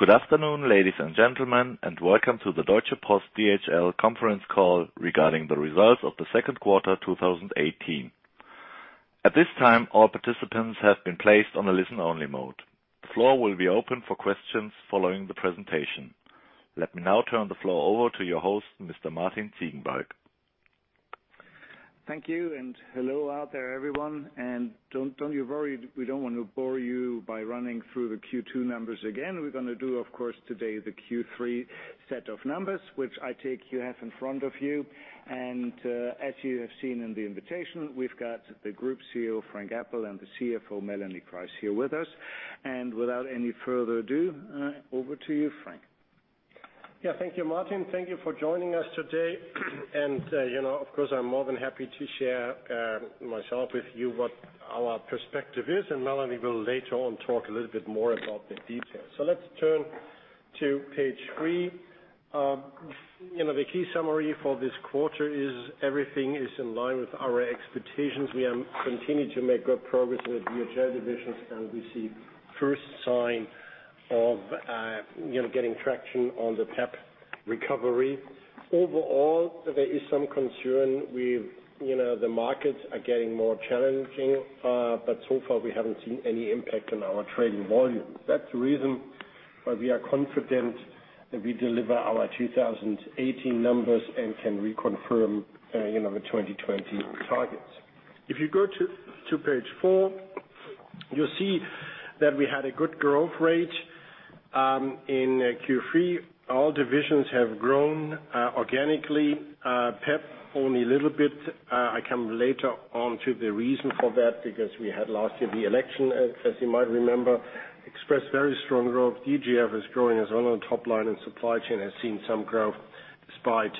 Good afternoon, ladies and gentlemen, and welcome to the Deutsche Post DHL conference call regarding the results of the second quarter 2018. At this time, all participants have been placed on a listen-only mode. The floor will be open for questions following the presentation. Let me now turn the floor over to your host, Mr. Martin Ziegenbalg. Thank you, hello out there, everyone. Don't you worry, we don't want to bore you by running through the Q2 numbers again. We're going to do, of course, today, the Q3 set of numbers, which I take you have in front of you. As you have seen in the invitation, we've got the Group CEO, Frank Appel, and the CFO, Melanie Kreis, here with us. Without any further ado, over to you, Frank. Thank you, Martin. Thank you for joining us today. Of course, I'm more than happy to share myself with you what our perspective is, and Melanie will later on talk a little bit more about the details. Let's turn to page three. The key summary for this quarter is everything is in line with our expectations. We have continued to make good progress with DHL divisions, and we see first sign of getting traction on the P&P recovery. Overall, there is some concern with the markets are getting more challenging. So far, we haven't seen any impact on our trading volumes. That's the reason why we are confident that we deliver our 2018 numbers and can reconfirm the 2020 targets. If you go to page four, you'll see that we had a good growth rate. In Q3, all divisions have grown organically. P&P only a little bit. I come later on to the reason for that, because we had last year the election, as you might remember. Express, very strong growth. DGFF is growing as well on top line, and Supply Chain has seen some growth despite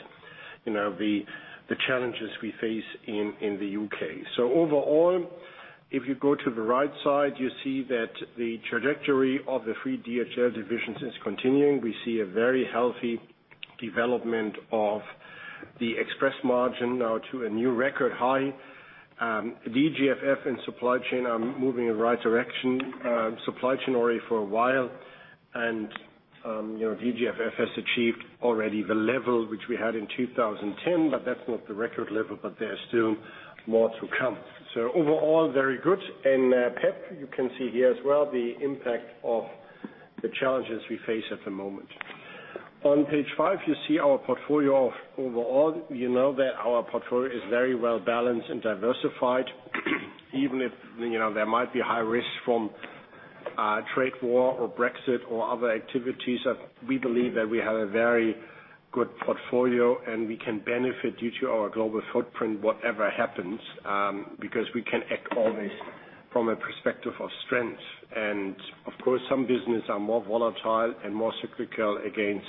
the challenges we face in the U.K. Overall, if you go to the right side, you see that the trajectory of the three DHL divisions is continuing. We see a very healthy development of the Express margin now to a new record high. DGFF and Supply Chain are moving in the right direction. Supply Chain already for a while. DGFF has achieved already the level which we had in 2010, but that's not the record level, but there's still more to come. Overall, very good. PEP, you can see here as well the impact of the challenges we face at the moment. On page five, you see our portfolio overall. You know that our portfolio is very well-balanced and diversified. Even if there might be high risk from trade war or Brexit or other activities, we believe that we have a very good portfolio, and we can benefit due to our global footprint whatever happens, because we can act always from a perspective of strength. Of course, some business are more volatile and more cyclical against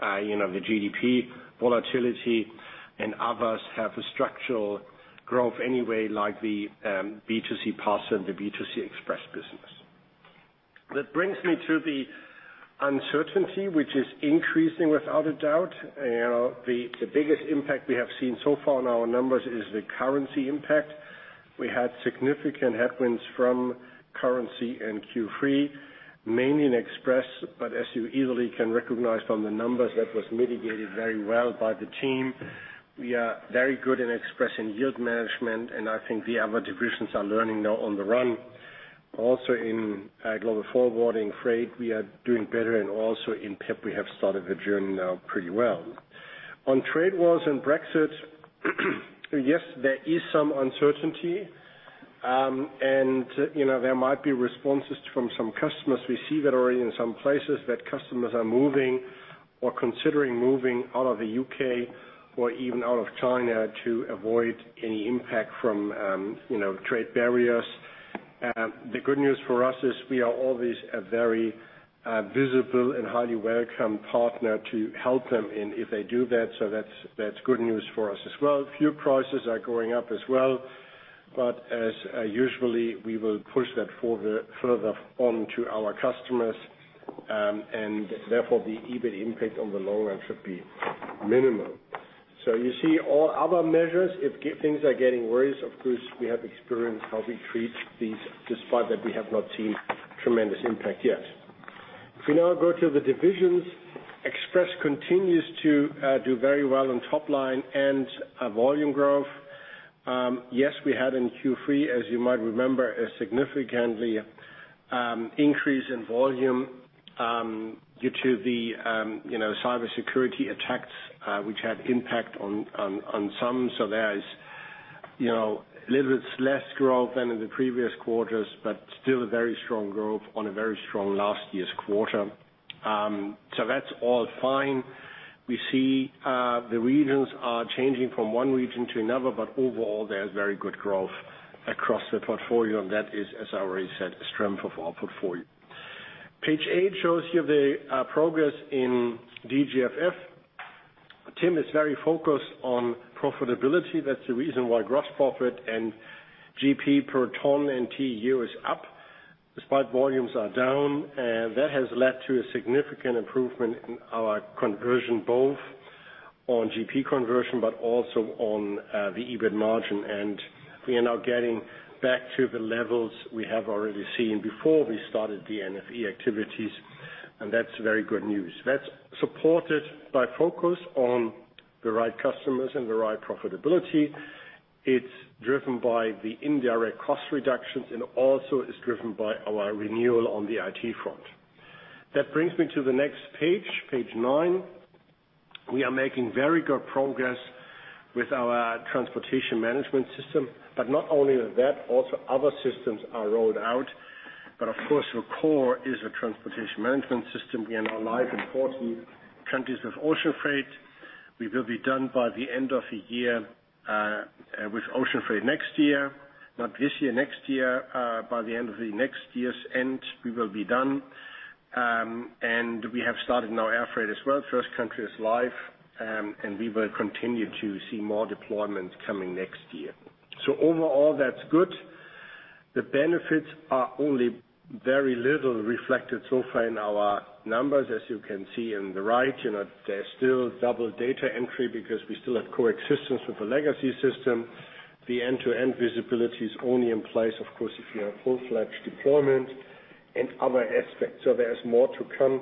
the GDP volatility, and others have a structural growth anyway, like the B2C parcel and the B2C express business. That brings me to the uncertainty, which is increasing without a doubt. The biggest impact we have seen so far on our numbers is the currency impact. We had significant headwinds from currency in Q3, mainly in Express. As you easily can recognize from the numbers, that was mitigated very well by the team. We are very good in Express in yield management, I think the other divisions are learning now on the run. In Global Forwarding, Freight, we are doing better, and in PEP, we have started the journey now pretty well. On trade wars and Brexit, yes, there is some uncertainty. There might be responses from some customers. We see that already in some places that customers are moving or considering moving out of the U.K. or even out of China to avoid any impact from trade barriers. The good news for us is we are always a very visible and highly welcome partner to help them if they do that. That's good news for us as well. Fuel prices are going up as well. As usually, we will push that further on to our customers. Therefore, the EBIT impact on the long run should be minimal. You see all our measures, if things are getting worse, of course, we have experience how we treat these, despite that we have not seen tremendous impact yet. If we now go to the divisions, Express continues to do very well on top line and volume growth. Yes, we had in Q3, as you might remember, a significantly increase in volume due to the cybersecurity attacks, which had impact on some. There is little bit less growth than in the previous quarters, still a very strong growth on a very strong last year's quarter. That's all fine. We see the regions are changing from one region to another. Overall, there is very good growth across the portfolio. That is, as I already said, a strength of our portfolio. Page eight shows you the progress in DGFF. Tim is very focused on profitability. That's the reason why gross profit and GP per ton and TEU is up, despite volumes are down. That has led to a significant improvement in our conversion both on GP conversion, also on the EBIT margin. We are now getting back to the levels we have already seen before we started the NFE activities. That's very good news. That's supported by focus on the right customers and the right profitability. It's driven by the indirect cost reductions, also is driven by our renewal on the IT front. That brings me to the next page nine. We are making very good progress with our transportation management system. Not only that, also other systems are rolled out. Of course, the core is a transportation management system. We are now live in 14 countries with ocean freight. We will be done by the end of the year, with ocean freight next year. Not this year, next year. By the end of the next year's end, we will be done. We have started now air freight as well. First country is live, and we will continue to see more deployments coming next year. Overall, that's good. The benefits are only very little reflected so far in our numbers. As you can see in the right, there's still double data entry because we still have coexistence with the legacy system. The end-to-end visibility is only in place, of course, if you have full-fledged deployment and other aspects. There's more to come.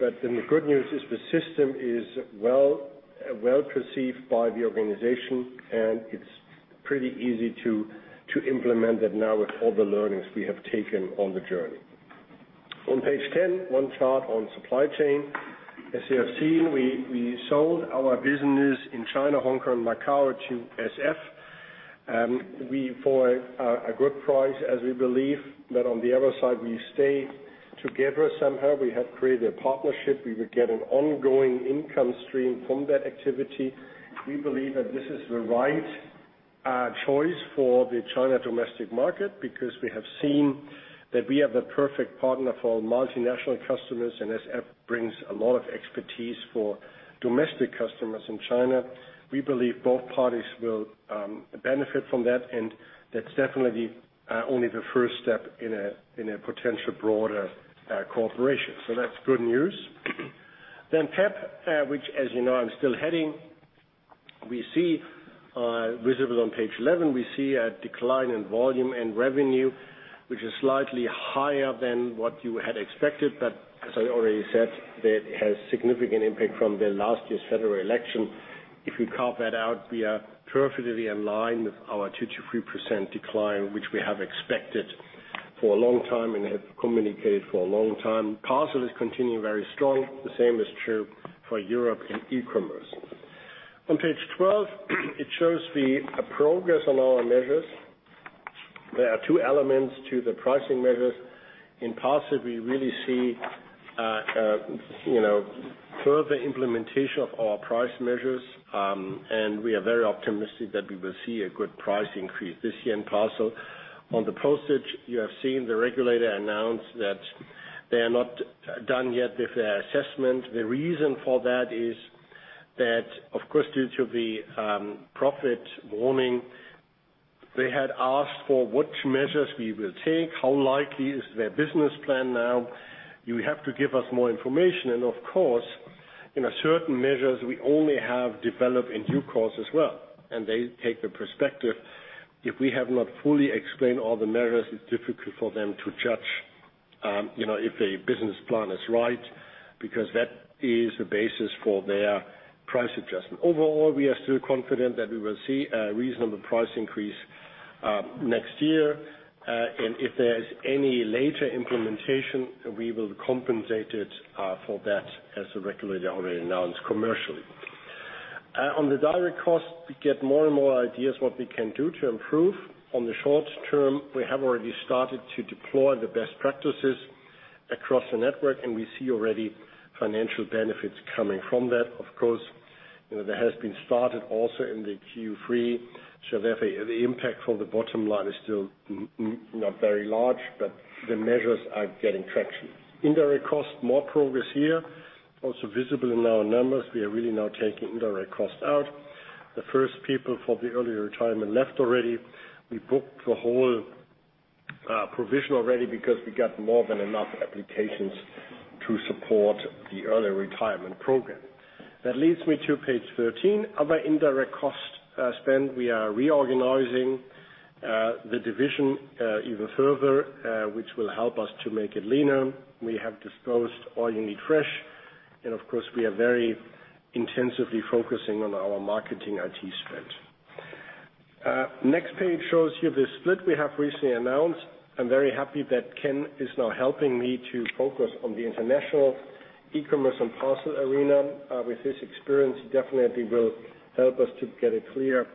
The good news is the system is well perceived by the organization, and it's pretty easy to implement it now with all the learnings we have taken on the journey. On page 10, one chart on supply chain. As you have seen, we sold our business in China, Hong Kong, and Macau to SF, for a good price, as we believe that on the other side, we stay together somehow. We have created a partnership. We will get an ongoing income stream from that activity. We believe that this is the right choice for the China domestic market, because we have seen that we have a perfect partner for multinational customers, and SF brings a lot of expertise for domestic customers in China. We believe both parties will benefit from that's definitely only the first step in a potential broader cooperation. That's good news. P&P, which as you know I'm still heading. Visible on page 11, we see a decline in volume and revenue, which is slightly higher than what you had expected, but as I already said, that has significant impact from the last year's federal election. If you carve that out, we are perfectly in line with our 2%-3% decline, which we have expected for a long time and have communicated for a long time. Parcel is continuing very strong. The same is true for Europe and e-commerce. On page 12, it shows the progress on our measures. There are two elements to the pricing measures. In Parcel, we really see further implementation of our price measures, we are very optimistic that we will see a good price increase this year in Parcel. On the Postage, you have seen the regulator announce that they are not done yet with their assessment. The reason for that is that, of course, due to the profit warning, they had asked for which measures we will take, how likely is their business plan now. You have to give us more information. Of course, certain measures we only have developed in due course as well. They take the perspective, if we have not fully explained all the measures, it's difficult for them to judge if a business plan is right, because that is the basis for their price adjustment. Overall, we are still confident that we will see a reasonable price increase next year. If there is any later implementation, we will compensate it for that as the regulator already announced commercially. On the direct cost, we get more and more ideas what we can do to improve. On the short term, we have already started to deploy the best practices across the network, and we see already financial benefits coming from that. Of course, that has been started also in Q3. Therefore, the impact for the bottom line is still not very large, but the measures are getting traction. Indirect cost, more progress here, also visible in our numbers. We are really now taking indirect cost out. The first people for the early retirement left already. We booked the whole provision already because we got more than enough applications to support the early retirement program. That leads me to page 13, other indirect cost spend. We are reorganizing the division even further, which will help us to make it leaner. We have disposed Allyouneed Fresh. Of course, we are very intensively focusing on our marketing IT spend. Next page shows you the split we have recently announced. I'm very happy that Ken is now helping me to focus on the international e-commerce and parcel arena. With his experience, he definitely will help us to get a clear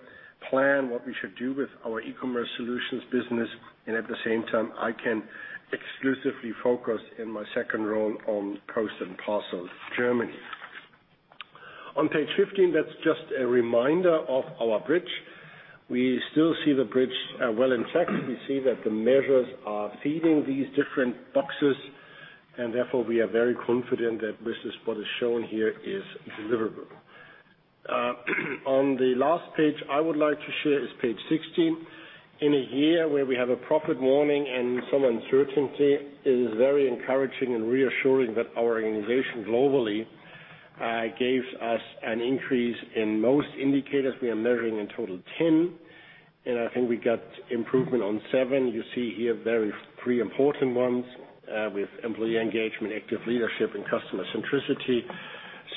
plan what we should do with our eCommerce Solutions business. At the same time, I can exclusively focus in my second role on Post & Parcel Germany. On page 15, that's just a reminder of our bridge. We still see the bridge well intact. We see that the measures are feeding these different boxes. Therefore, we are very confident that this, what is shown here, is deliverable. On the last page I would like to share is page 16. In a year where we have a profit warning and some uncertainty, it is very encouraging and reassuring that our organization globally gave us an increase in most indicators. We are measuring in total 10, and I think we got improvement on seven. You see here three important ones with employee engagement, active leadership, and customer centricity.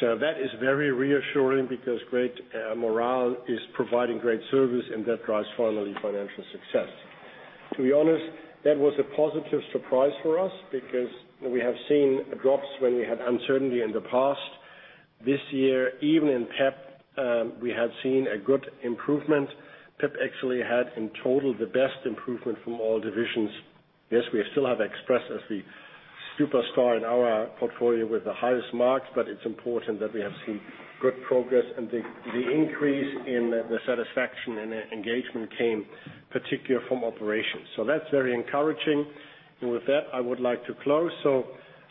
That is very reassuring because great morale is providing great service, and that drives, finally, financial success. To be honest, that was a positive surprise for us because we have seen drops when we had uncertainty in the past. This year, even in P&P, we have seen a good improvement. P&P actually had, in total, the best improvement from all divisions. We still have Express as the superstar in our portfolio with the highest marks, but it's important that we have seen good progress, and the increase in the satisfaction and engagement came particularly from operations. That's very encouraging. With that, I would like to close.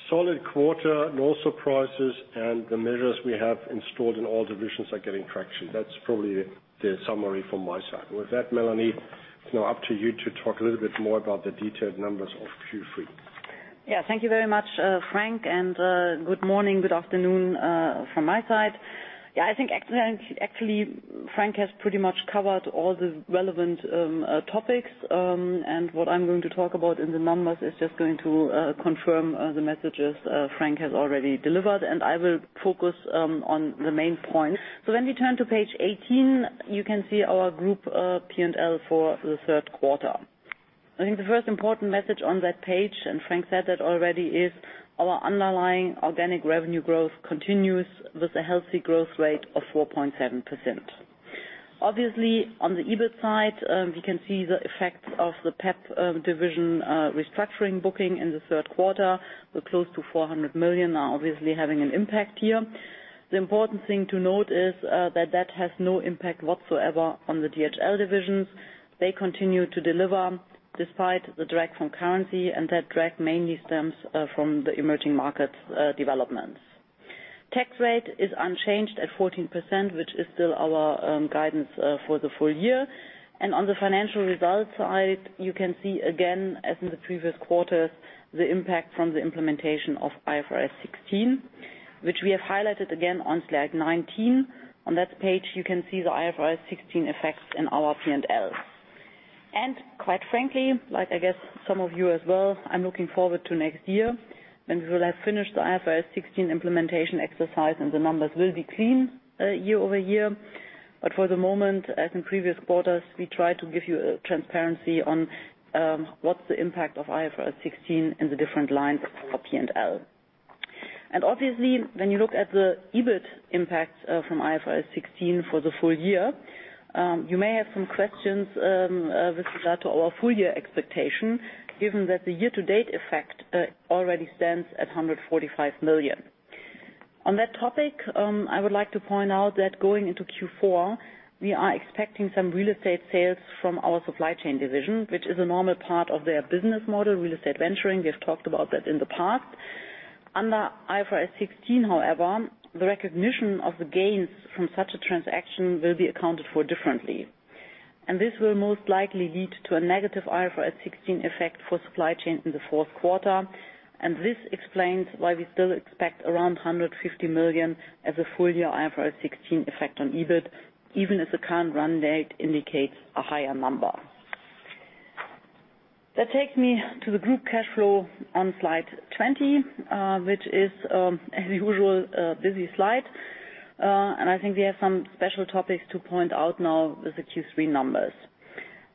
Solid quarter, no surprises, and the measures we have installed in all divisions are getting traction. That's probably the summary from my side. With that, Melanie, it's now up to you to talk a little bit more about the detailed numbers of Q3. Thank you very much, Frank, and good morning, good afternoon from my side. I think actually, Frank has pretty much covered all the relevant topics. What I'm going to talk about in the numbers is just going to confirm the messages Frank has already delivered, and I will focus on the main points. When we turn to page 18, you can see our group P&L for the third quarter. I think the first important message on that page, and Frank said that already, is our underlying organic revenue growth continues with a healthy growth rate of 4.7%. Obviously, on the EBIT side, we can see the effects of the P&P division restructuring booking in the third quarter, with close to 400 million are obviously having an impact here. The important thing to note is that that has no impact whatsoever on the DHL divisions. They continue to deliver despite the drag from currency. That drag mainly stems from the emerging markets developments. Tax rate is unchanged at 14%, which is still our guidance for the full year. On the financial results side, you can see again, as in the previous quarters, the impact from the implementation of IFRS 16, which we have highlighted again on slide 19. On that page, you can see the IFRS 16 effects in our P&L. Quite frankly, like I guess some of you as well, I'm looking forward to next year when we will have finished the IFRS 16 implementation exercise and the numbers will be clean year-over-year. For the moment, as in previous quarters, we try to give you transparency on what's the impact of IFRS 16 in the different lines of our P&L. Obviously, when you look at the EBIT impact from IFRS 16 for the full year, you may have some questions with regard to our full-year expectation, given that the year-to-date effect already stands at 145 million. On that topic, I would like to point out that going into Q4, we are expecting some real estate sales from our DHL Supply Chain division, which is a normal part of their business model, real estate venturing. We've talked about that in the past. Under IFRS 16, however, the recognition of the gains from such a transaction will be accounted for differently. This will most likely lead to a negative IFRS 16 effect for DHL Supply Chain in the fourth quarter. This explains why we still expect around 150 million as a full-year IFRS 16 effect on EBIT, even if the current run date indicates a higher number. That takes me to the group cash flow on slide 20, which is, as usual, a busy slide. I think we have some special topics to point out now with the Q3 numbers.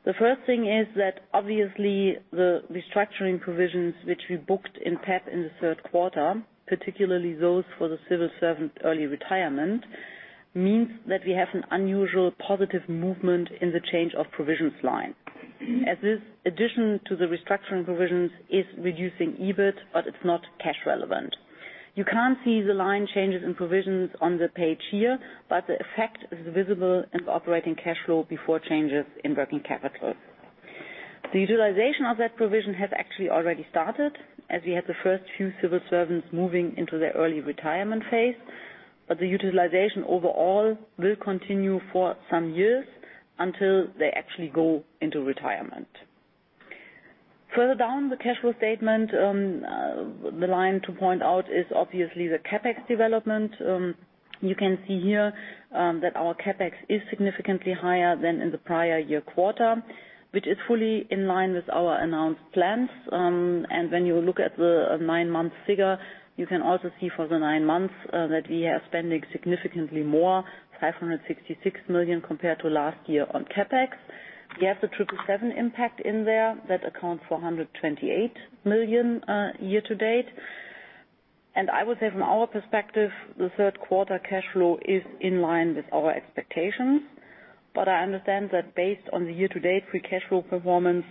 The first thing is that obviously the restructuring provisions which we booked in P&P in the third quarter, particularly those for the civil servant early retirement, means that we have an unusual positive movement in the change of provisions line, as this addition to the restructuring provisions is reducing EBIT, but it's not cash relevant. You can't see the line changes in provisions on the page here, but the effect is visible in operating cash flow before changes in working capital. The utilization of that provision has actually already started, as we had the first few civil servants moving into their early retirement phase, but the utilization overall will continue for some years until they actually go into retirement. Further down the cash flow statement, the line to point out is obviously the CapEx development. You can see here that our CapEx is significantly higher than in the prior year quarter, which is fully in line with our announced plans. When you look at the nine-month figure, you can also see for the nine months that we are spending significantly more, 566 million compared to last year on CapEx. We have the 777 impact in there. That accounts for 128 million year to date. I would say from our perspective, the third quarter cash flow is in line with our expectations. I understand that based on the year-to-date free cash flow performance,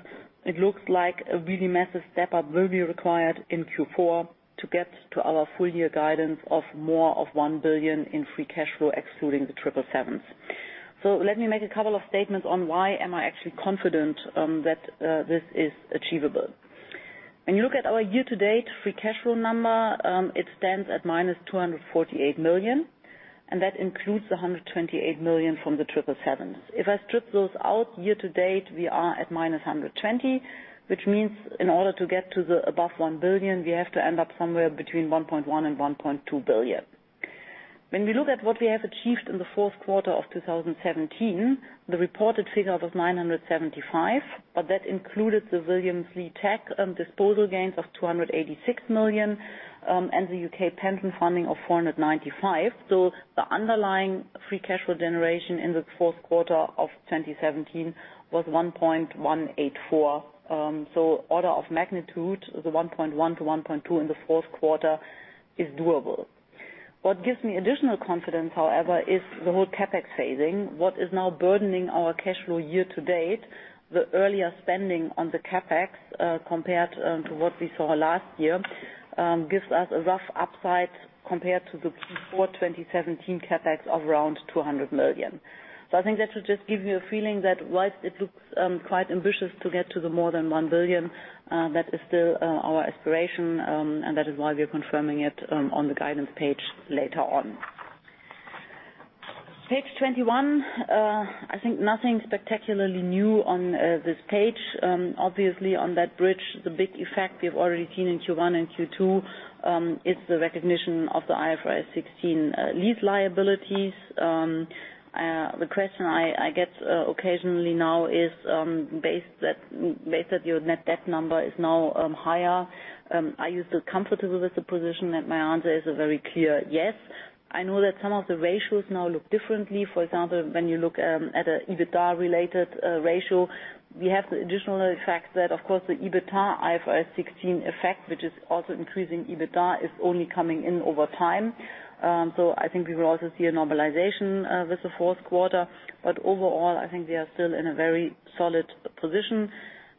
it looks like a really massive step-up will be required in Q4 to get to our full-year guidance of more of 1 billion in free cash flow excluding the 777s. Let me make a couple of statements on why am I actually confident that this is achievable. When you look at our year-to-date free cash flow number, it stands at minus 248 million, and that includes the 128 million from the 777s. If I strip those out, year to date, we are at minus 120 million, which means in order to get to the above 1 billion, we have to end up somewhere between 1.1 billion and 1.2 billion. When we look at what we have achieved in the fourth quarter of 2017, the reported figure was 975 million, but that included the Williams Lea Tag disposal gains of 286 million, and the U.K. pension funding of 495 million. The underlying free cash flow generation in the fourth quarter of 2017 was 1.184 billion. Order of magnitude, the 1.1 billion to 1.2 billion in the fourth quarter is doable. What gives me additional confidence, however, is the whole CapEx phasing. What is now burdening our cash flow year to date, the earlier spending on the CapEx, compared to what we saw last year, gives us a rough upside compared to the Q4 2017 CapEx of around 200 million. I think that should just give you a feeling that whilst it looks quite ambitious to get to the more than 1 billion, that is still our aspiration, and that is why we are confirming it on the guidance page later on. Page 21. I think nothing spectacularly new on this page. Obviously, on that bridge, the big effect we have already seen in Q1 and Q2 is the recognition of the IFRS 16 lease liabilities. The question I get occasionally now is, based that your net debt number is now higher, are you still comfortable with the position? My answer is a very clear yes. I know that some of the ratios now look differently. For example, when you look at an EBITDA-related ratio, we have the additional fact that, of course, the EBITDA IFRS 16 effect, which is also increasing EBITDA, is only coming in over time. I think we will also see a normalization with the fourth quarter. Overall, I think we are still in a very solid position,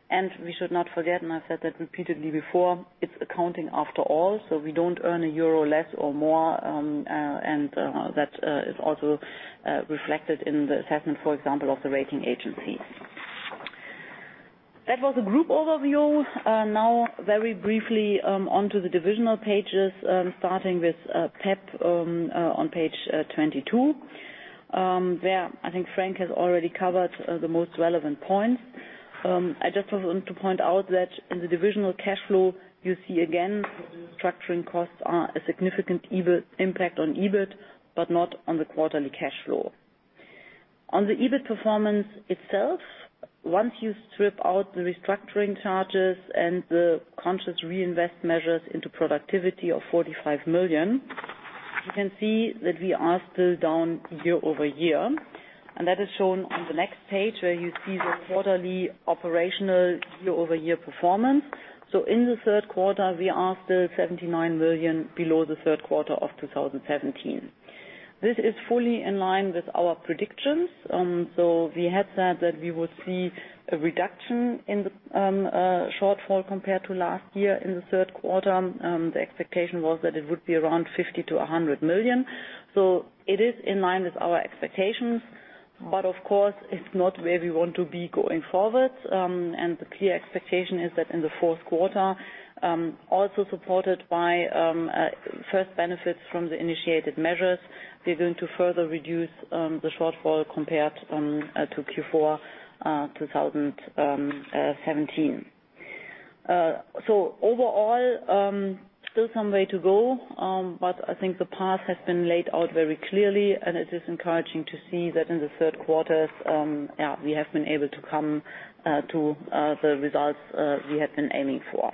and we should not forget, and I've said that repeatedly before, it's accounting after all, so we don't earn a euro less or more, and that is also reflected in the assessment, for example, of the rating agency. That was the group overview. Now, very briefly, onto the divisional pages, starting with P&P on page 22, where I think Frank has already covered the most relevant points. I just want to point out that in the divisional cash flow, you see again, restructuring costs are a significant impact on EBIT, but not on the quarterly cash flow. On the EBIT performance itself, once you strip out the restructuring charges and the conscious reinvest measures into productivity of 45 million, you can see that we are still down year-over-year. That is shown on the next page where you see the quarterly operational year-over-year performance. In the third quarter, we are still 79 million below the third quarter of 2017. This is fully in line with our predictions. We had said that we would see a reduction in the shortfall compared to last year in the third quarter. The expectation was that it would be around 50 million-100 million. It is in line with our expectations, but of course, it's not where we want to be going forward. The clear expectation is that in the fourth quarter, also supported by first benefits from the initiated measures, we're going to further reduce the shortfall compared to Q4 2017. Overall, still some way to go, but I think the path has been laid out very clearly, and it is encouraging to see that in the third quarter, we have been able to come to the results we have been aiming for.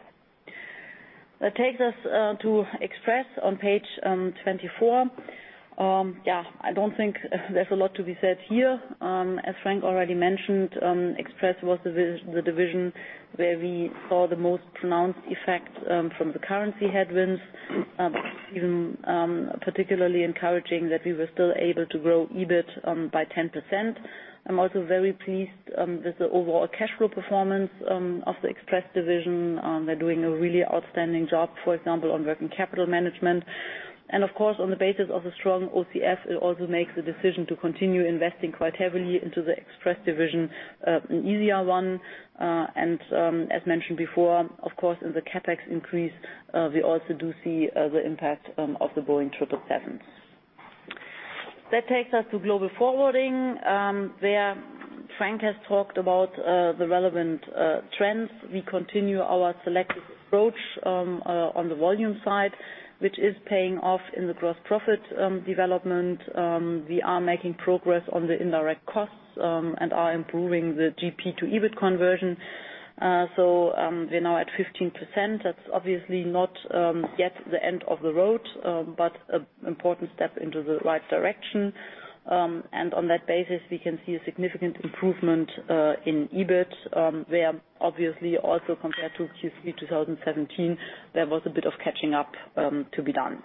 That takes us to Express on page 24. I don't think there's a lot to be said here. As Frank already mentioned, Express was the division where we saw the most pronounced effect from the currency headwinds. It's even particularly encouraging that we were still able to grow EBIT by 10%. I'm also very pleased with the overall cash flow performance of the Express division. They're doing a really outstanding job, for example, on working capital management. Of course, on the basis of a strong OCF, it also makes the decision to continue investing quite heavily into the Express division an easier one. As mentioned before, of course, in the CapEx increase, we also do see the impact of the Boeing 777s. That takes us to Global Forwarding, where Frank has talked about the relevant trends. We continue our selective approach on the volume side, which is paying off in the gross profit development. We are making progress on the indirect costs and are improving the GP to EBIT conversion. We're now at 15%. That's obviously not yet the end of the road, but an important step into the right direction. On that basis, we can see a significant improvement in EBIT, where obviously also compared to Q3 2017, there was a bit of catching up to be done.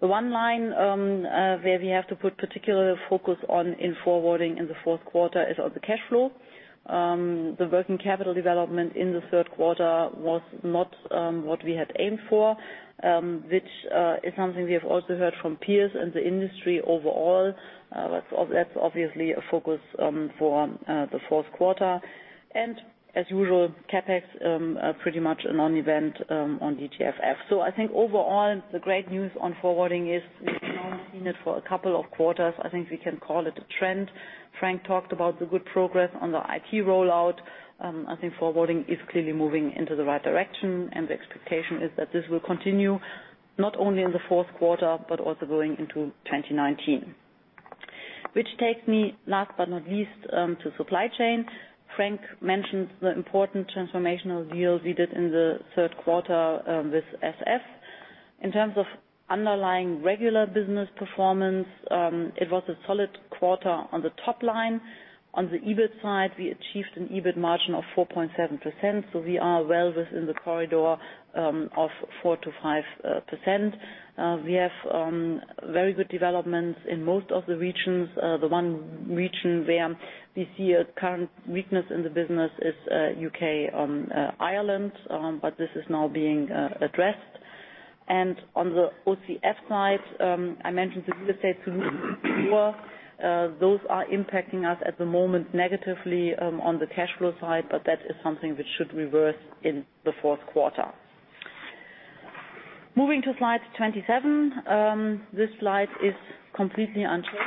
The one line where we have to put particular focus on in Forwarding in the fourth quarter is on the cash flow. The working capital development in the third quarter was not what we had aimed for, which is something we have also heard from peers in the industry overall. That's obviously a focus for the fourth quarter. As usual, CapEx pretty much a non-event on DGFF. Overall, the great news on forwarding is we've now seen it for a couple of quarters. I think we can call it a trend. Frank talked about the good progress on the IT rollout. I think forwarding is clearly moving into the right direction, and the expectation is that this will continue not only in the fourth quarter, but also going into 2019. Which takes me, last but not least, to supply chain. Frank mentioned the important transformational deals we did in the third quarter with SF. In terms of underlying regular business performance, it was a solid quarter on the top line. On the EBIT side, we achieved an EBIT margin of 4.7%, so we are well within the corridor of 4%-5%. We have very good developments in most of the regions. The one region where we see a current weakness in the business is U.K. and Ireland. This is now being addressed. On the OCF side, I mentioned the real estate solutions before. Those are impacting us at the moment negatively on the cash flow side, that is something which should reverse in the fourth quarter. Moving to slide 27. This slide is completely unchanged.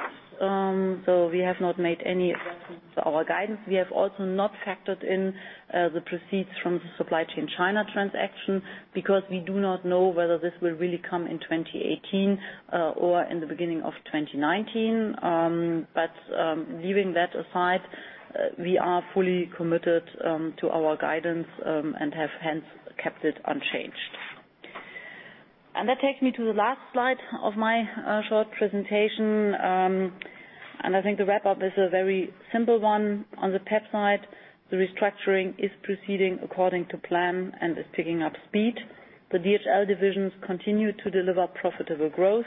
We have not made any adjustments to our guidance. We have also not factored in the proceeds from the DHL Supply Chain China transaction because we do not know whether this will really come in 2018 or in the beginning of 2019. Leaving that aside, we are fully committed to our guidance, and have hence kept it unchanged. That takes me to the last slide of my short presentation. I think the wrap up is a very simple one. On the P&P side, the restructuring is proceeding according to plan and is picking up speed. The DHL divisions continue to deliver profitable growth.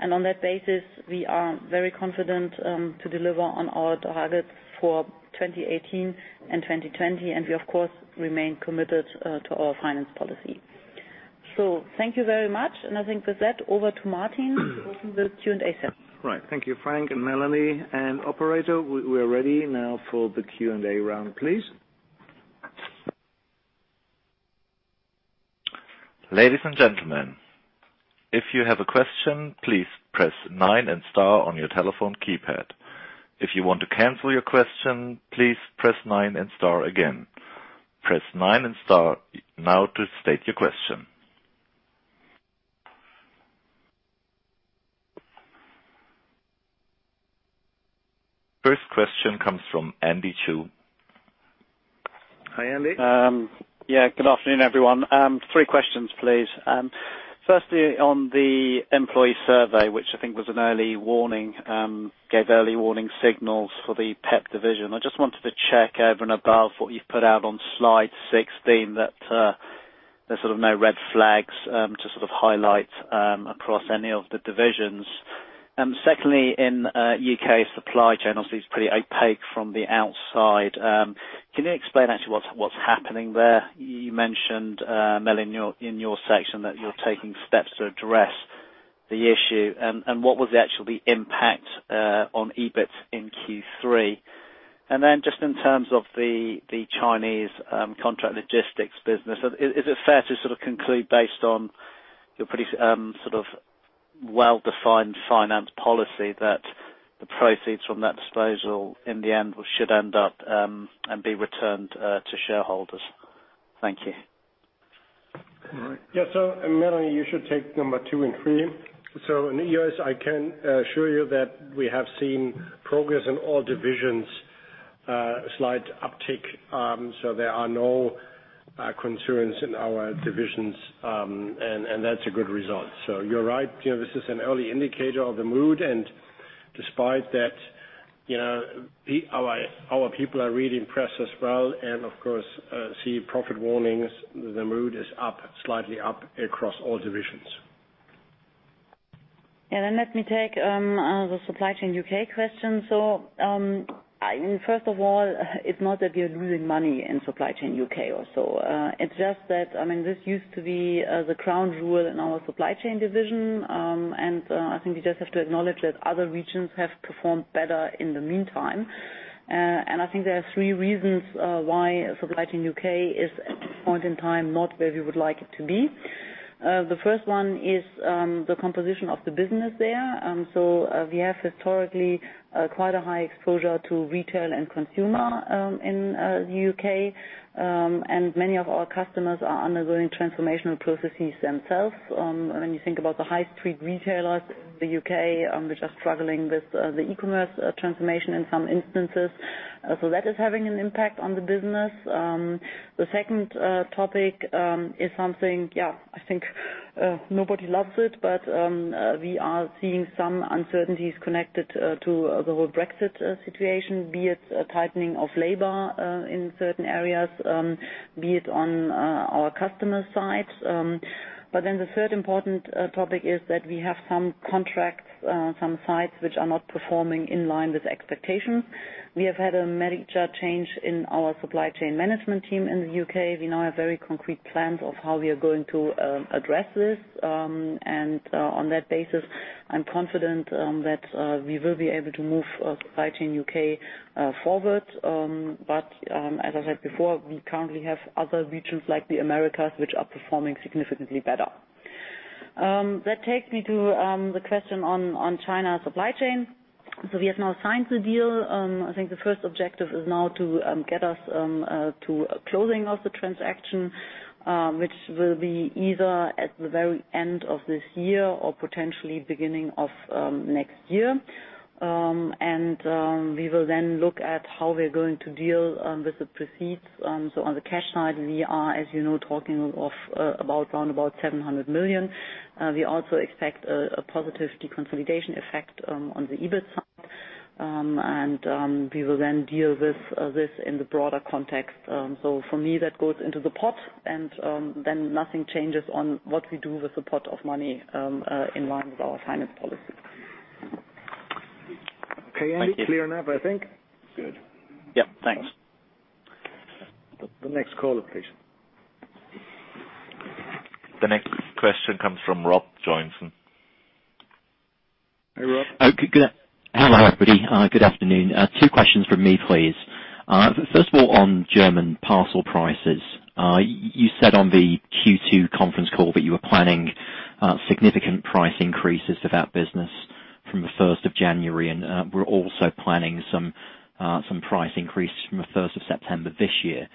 On that basis, we are very confident to deliver on our targets for 2018 and 2020. We, of course, remain committed to our finance policy. Thank you very much. I think with that, over to Martin for the Q&A session. Right. Thank you, Frank and Melanie. Operator, we are ready now for the Q&A round, please. Ladies and gentlemen, if you have a question, please press 9 and * on your telephone keypad. If you want to cancel your question, please press 9 and * again. Press 9 and * now to state your question. First question comes from Andy Chu. Hi, Andy. Yeah. Good afternoon, everyone. Three questions, please. Firstly, on the employee survey, which I think gave early warning signals for the P&P division, I just wanted to check over and above what you've put out on slide 16, that there's sort of no red flags to sort of highlight across any of the divisions. Secondly, in U.K., supply chain obviously is pretty opaque from the outside. Can you explain actually what's happening there? You mentioned, Melanie, in your section that you're taking steps to address the issue. What was the actual impact on EBIT in Q3? Then just in terms of the Chinese contract logistics business, is it fair to sort of conclude based on your pretty well-defined finance policy that the proceeds from that disposal in the end should end up and be returned to shareholders? Thank you. All right. Melanie, you should take number 2 and 3. In the U.S., I can assure you that we have seen progress in all divisions, a slight uptick. There are no concerns in our divisions, and that's a good result. You're right. This is an early indicator of the mood. Despite that, our people are really impressed as well and of course, see profit warnings. The mood is up, slightly up across all divisions. Let me take the Supply Chain U.K. question. First of all, it's not that we are losing money in Supply Chain U.K. or so. It's just that, this used to be the crown jewel in our supply chain division. I think we just have to acknowledge that other regions have performed better in the meantime. I think there are three reasons why Supply Chain U.K. is at this point in time, not where we would like it to be. The first one is the composition of the business there. We have historically quite a high exposure to retail and consumer in the U.K. Many of our customers are undergoing transformational processes themselves. When you think about the high street retailers in the U.K., which are struggling with the e-commerce transformation in some instances. That is having an impact on the business. The second topic is something, I think nobody loves it, but we are seeing some uncertainties connected to the whole Brexit situation. Be it tightening of labor in certain areas, be it on our customer side. The third important topic is that we have some contracts, some sites which are not performing in line with expectations. We have had a manager change in our supply chain management team in the U.K. We now have very concrete plans of how we are going to address this. On that basis, I'm confident that we will be able to move Supply Chain U.K. forward. As I said before, we currently have other regions like the Americas, which are performing significantly better. That takes me to the question on China supply chain. We have now signed the deal. I think the first objective is now to get us to closing of the transaction, which will be either at the very end of this year or potentially beginning of next year. We will then look at how we're going to deal with the proceeds. On the cash side, we are, as you know, talking of around about 700 million. We also expect a positive deconsolidation effect on the EBIT side. We will then deal with this in the broader context. For me, that goes into the pot, nothing changes on what we do with the pot of money in line with our finance policy. Okay. Thank you. Andy, clear now, I think. Good. Yeah, thanks. The next caller, please. The next question comes from Robert Johnson. Hey, Rob. Hello, everybody. Good afternoon. Two questions from me, please. First of all, on German parcel prices. You said on the Q2 conference call that you were planning significant price increases to that business from the 1st of January, and were also planning some price increases from the 1st of September this year.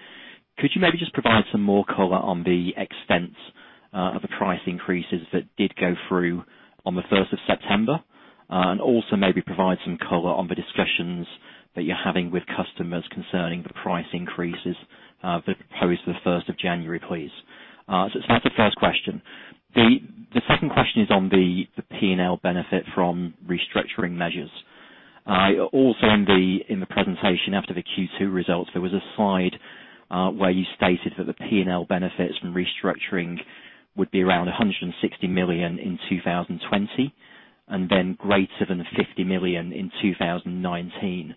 Could you maybe just provide some more color on the extent of the price increases that did go through on the 1st of September? Also maybe provide some color on the discussions that you're having with customers concerning the price increases that are proposed for the 1st of January, please. That's the first question. The second question is on the P&L benefit from restructuring measures. In the presentation after the Q2 results, there was a slide where you stated that the P&L benefits from restructuring would be around 160 million in 2020, and then greater than 50 million in 2019.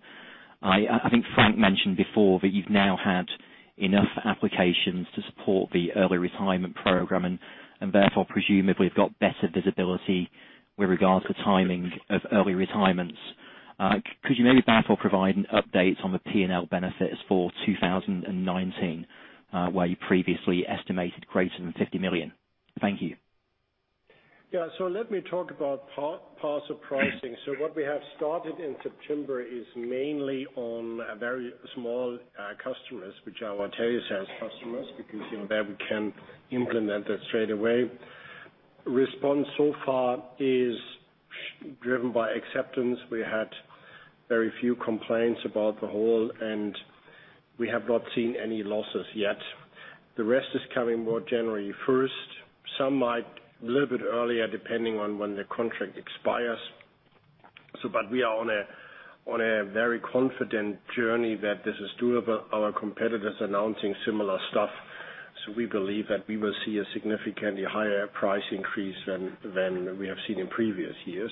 I think Frank mentioned before that you've now had enough applications to support the early retirement program and therefore presumably have got better visibility with regards to timing of early retirements. Could you maybe therefore provide an update on the P&L benefits for 2019, where you previously estimated greater than 50 million? Thank you. Let me talk about parcel pricing. What we have started in September is mainly on very small customers, which are our customers, because there we can implement it straight away. Response so far is driven by acceptance. We had very few complaints about the whole, and we have not seen any losses yet. The rest is coming more January 1. Some might a little bit earlier, depending on when the contract expires. We are on a very confident journey that this is doable. Our competitors are announcing similar stuff. We believe that we will see a significantly higher price increase than we have seen in previous years.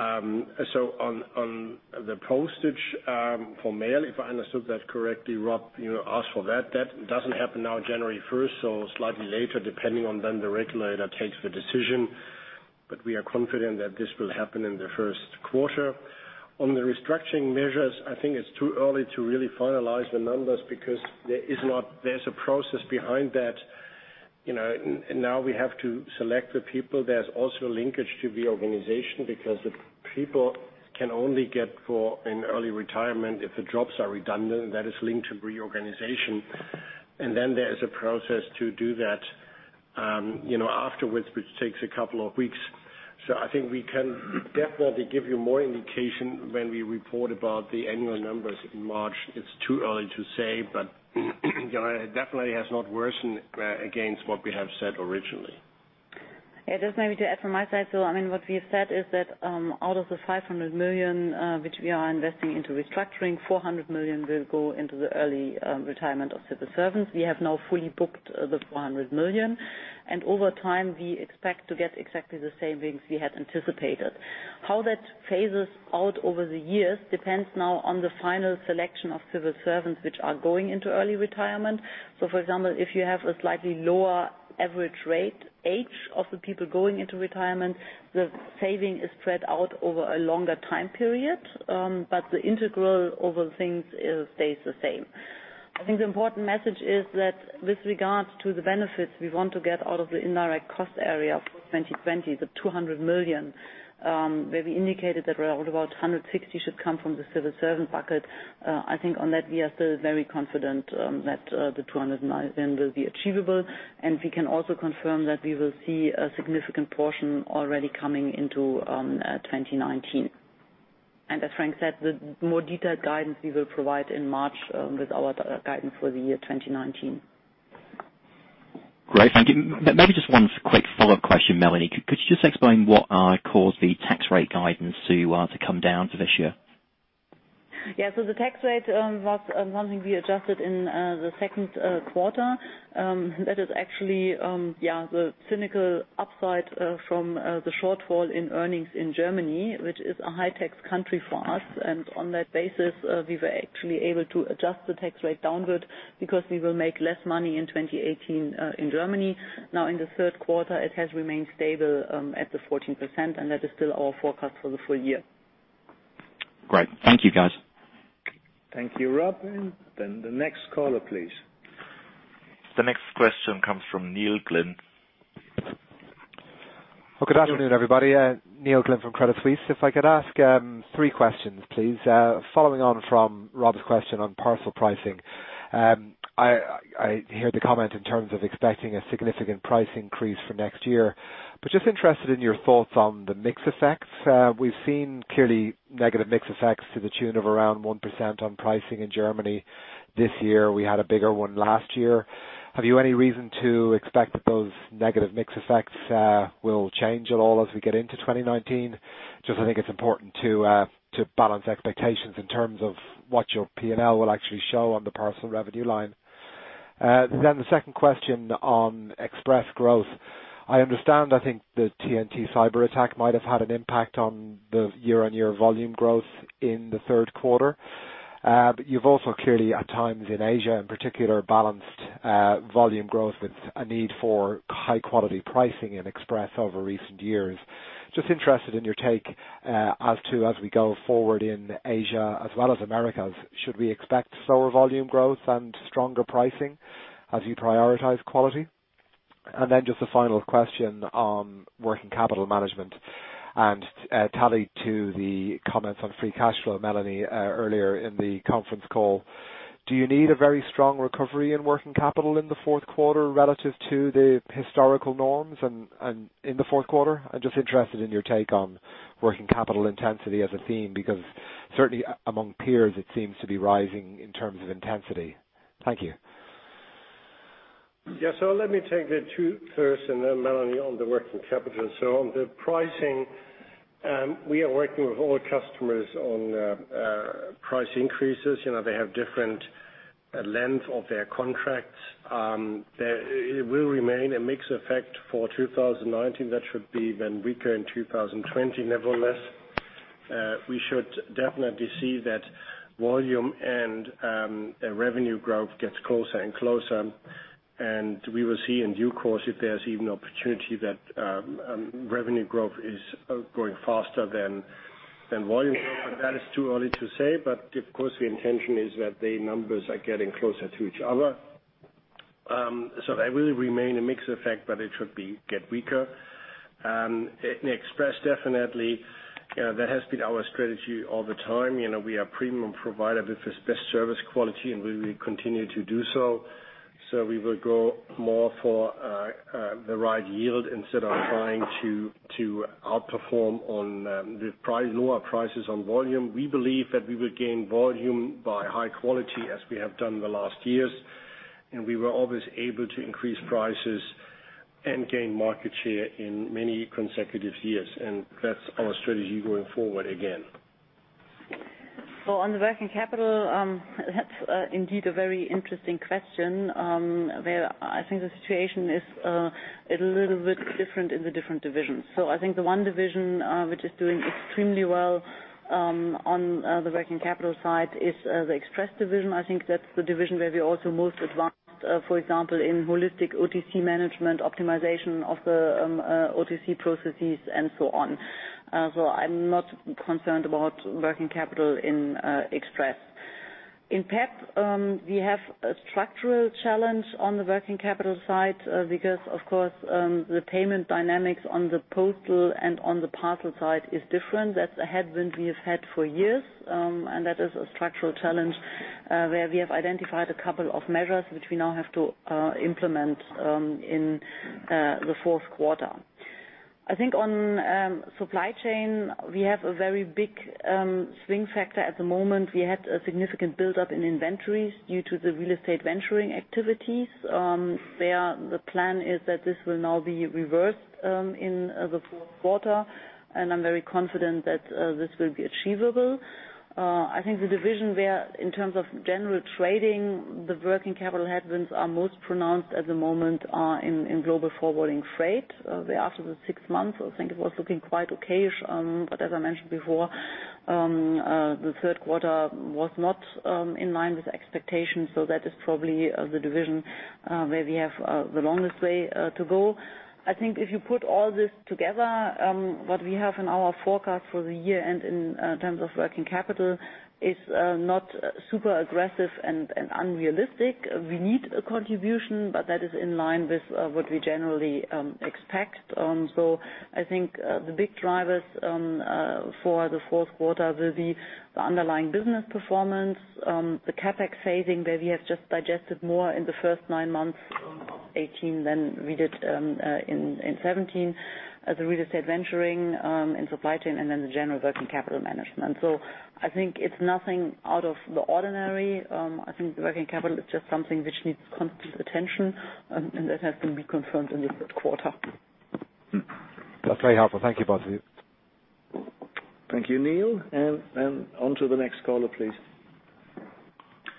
On the postage for mail, if I understood that correctly, Rob, you asked for that. That doesn't happen now January 1, slightly later, depending on when the regulator takes the decision. We are confident that this will happen in the first quarter. On the restructuring measures, I think it's too early to really finalize the numbers because there's a process behind that. Now we have to select the people. There's also a linkage to the organization, because the people can only get an early retirement if the jobs are redundant, and that is linked to reorganization. Then there is a process to do that afterwards, which takes a couple of weeks. I think we can definitely give you more indication when we report about the annual numbers in March. It's too early to say, but it definitely has not worsened against what we have said originally. Just maybe to add from my side. What we have said is that out of the 500 million which we are investing into restructuring, 400 million will go into the early retirement of civil servants. We have now fully booked the 400 million. Over time, we expect to get exactly the savings we had anticipated. How that phases out over the years depends now on the final selection of civil servants which are going into early retirement. For example, if you have a slightly lower average rate age of the people going into retirement, the saving is spread out over a longer time period. The integral over things stays the same. I think the important message is that with regards to the benefits we want to get out of the indirect cost area for 2020, the 200 million, where we indicated that around about 160 million should come from the civil servant bucket. I think on that we are still very confident that the 200 million will be achievable. We can also confirm that we will see a significant portion already coming into 2019. As Frank said, the more detailed guidance we will provide in March with our guidance for the year 2019. Great. Thank you. Maybe just one quick follow-up question, Melanie. Could you just explain what caused the tax rate guidance to come down for this year? Yeah. The tax rate was something we adjusted in the second quarter. That is actually the cynical upside from the shortfall in earnings in Germany, which is a high tax country for us. On that basis, we were actually able to adjust the tax rate downward because we will make less money in 2018 in Germany. Now in the third quarter, it has remained stable at the 14%, and that is still our forecast for the full year. Great. Thank you, guys. Thank you, Rob. The next caller, please. The next question comes from Neil Glynn. Well, good afternoon, everybody. Neil Glynn from Credit Suisse. If I could ask three questions, please. Following on from Rob's question on parcel pricing. I heard the comment in terms of expecting a significant price increase for next year, but just interested in your thoughts on the mix effects. We've seen clearly negative mix effects to the tune of around 1% on pricing in Germany this year. We had a bigger one last year. Have you any reason to expect that those negative mix effects will change at all as we get into 2019? I think it's important to balance expectations in terms of what your P&L will actually show on the parcel revenue line. The second question on express growth. I understand, I think the TNT cyber attack might have had an impact on the year-on-year volume growth in the third quarter. You've also clearly at times in Asia in particular, balanced volume growth with a need for high-quality pricing in Express over recent years. Interested in your take as we go forward in Asia as well as Americas, should we expect slower volume growth and stronger pricing as you prioritize quality? A final question on working capital management and tied to the comments on free cash flow, Melanie, earlier in the conference call. Do you need a very strong recovery in working capital in the fourth quarter relative to the historical norms and in the fourth quarter? I'm interested in your take on working capital intensity as a theme, because certainly among peers, it seems to be rising in terms of intensity. Thank you. Yeah. Let me take the two first, and then Melanie on the working capital. On the pricing, we are working with all customers on price increases. They have different lengths of their contracts. It will remain a mix effect for 2019 that should be weaker in 2020. Nevertheless, we should definitely see that volume and revenue growth gets closer and closer, and we will see in due course if there's even opportunity that revenue growth is growing faster than volume growth. That is too early to say. Of course, the intention is that the numbers are getting closer to each other. That will remain a mix effect, but it should get weaker. In Express, definitely, that has been our strategy all the time. We are a premium provider with the best service quality, and we will continue to do so. We will go more for the right yield instead of trying to outperform on the lower prices on volume. We believe that we will gain volume by high quality as we have done the last years, and we were always able to increase prices and gain market share in many consecutive years, and that's our strategy going forward again. On the working capital, that's indeed a very interesting question, where I think the situation is a little bit different in the different divisions. I think the one division which is doing extremely well, on the working capital side is the Express division. I think that's the division where we're also most advanced, for example, in holistic OTC management, optimization of the OTC processes and so on. I'm not concerned about working capital in Express. In P&P, we have a structural challenge on the working capital side because of course, the payment dynamics on the postal and on the parcel side is different. That's a headwind we have had for years. That is a structural challenge, where we have identified a couple of measures which we now have to implement in the fourth quarter. I think on Supply Chain, we have a very big swing factor at the moment. We had a significant buildup in inventories due to the real estate venturing activities. There, the plan is that this will now be reversed in the fourth quarter, and I'm very confident that this will be achievable. I think the division where, in terms of general trading, the working capital headwinds are most pronounced at the moment are in Global Forwarding, Freight. There after the six months, I think it was looking quite okay. But as I mentioned before, the third quarter was not in line with expectations. That is probably the division where we have the longest way to go. I think if you put all this together, what we have in our forecast for the year-end in terms of working capital is not super aggressive and unrealistic. We need a contribution, but that is in line with what we generally expect. I think the big drivers for the fourth quarter will be the underlying business performance, the CapEx phasing, where we have just digested more in the first nine months of 2018 than we did in 2017. The real estate venturing and Supply Chain, and then the general working capital management. I think it's nothing out of the ordinary. I think the working capital is just something which needs constant attention, and that has to be confirmed in the third quarter. That's very helpful. Thank you, both of you. Thank you, Neil. Onto the next caller, please.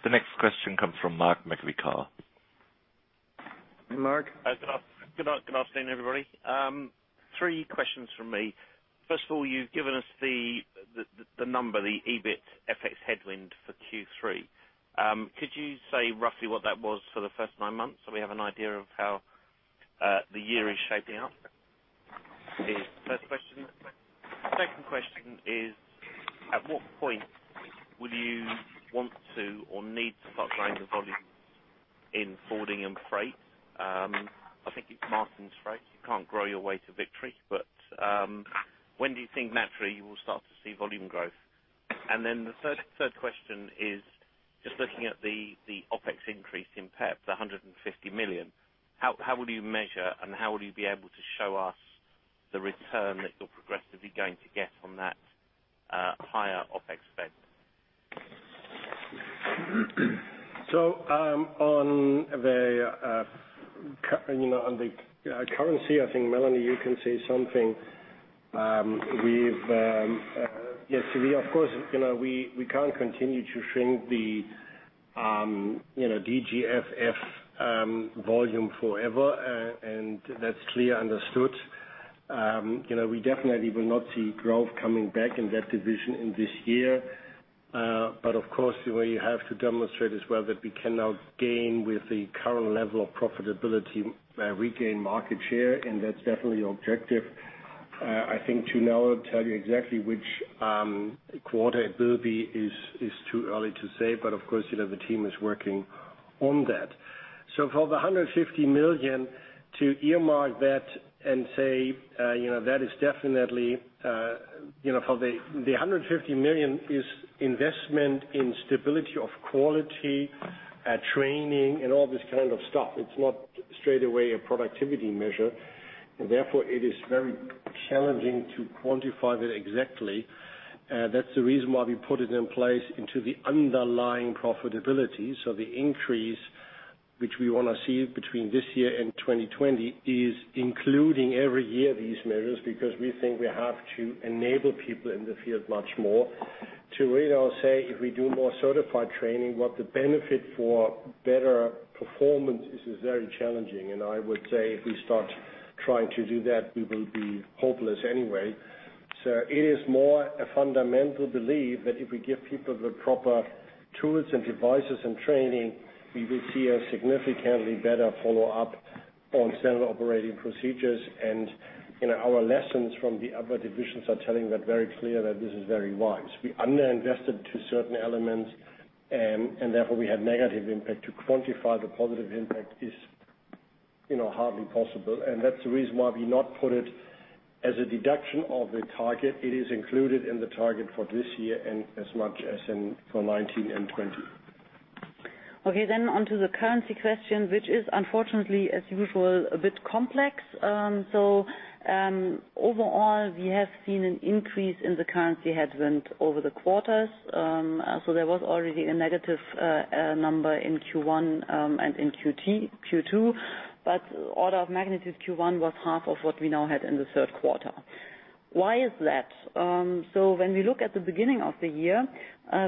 The next question comes from Mark McVicar. Mark. Good afternoon, everybody. Three questions from me. First of all, you've given us the number, the EBIT FX headwind for Q3. Could you say roughly what that was for the first nine months, so we have an idea of how the year is shaping up? Is first question. Second question is, at what point will you want to or need to start growing the volumes in Forwarding and Freight? I think it's Martin's phrase, "You can't grow your way to victory." When do you think naturally you will start to see volume growth? Then the third question is just looking at the OpEx increase in P&P, the 150 million. How will you measure and how will you be able to show us the return that you're progressively going to get from that higher OpEx spend? On the currency, I think, Melanie, you can say something. Of course, we can't continue to shrink the DGFF volume forever, and that's clear understood. We definitely will not see growth coming back in that division in this year. Of course, you have to demonstrate as well that we can now gain with the current level of profitability, regain market share, and that's definitely objective. I think to now tell you exactly which quarter it will be is too early to say, but of course, the team is working on that. For the 150 million, to earmark that and say that is definitely the 150 million is investment in stability of quality, training, and all this kind of stuff. It's not straightaway a productivity measure. Therefore, it is very challenging to quantify that exactly. That's the reason why we put it in place into the underlying profitability. The increase which we want to see between this year and 2020 is including every year these measures, because we think we have to enable people in the field much more to really now say, if we do more certified training, what the benefit for better performance is very challenging. I would say if we start trying to do that, we will be hopeless anyway. It is more a fundamental belief that if we give people the proper tools and devices and training, we will see a significantly better follow-up on standard operating procedures. Our lessons from the other divisions are telling that very clear that this is very wise. We underinvested to certain elements, and therefore we had negative impact. To quantify the positive impact is hardly possible. That's the reason why we not put it as a deduction of the target. It is included in the target for this year and as much as for 2019 and 2020. On to the currency question, which is unfortunately, as usual, a bit complex. Overall, we have seen an increase in the currency headwind over the quarters. There was already a negative number in Q1 and in Q2. Order of magnitude Q1 was half of what we now had in the third quarter. Why is that? When we look at the beginning of the year,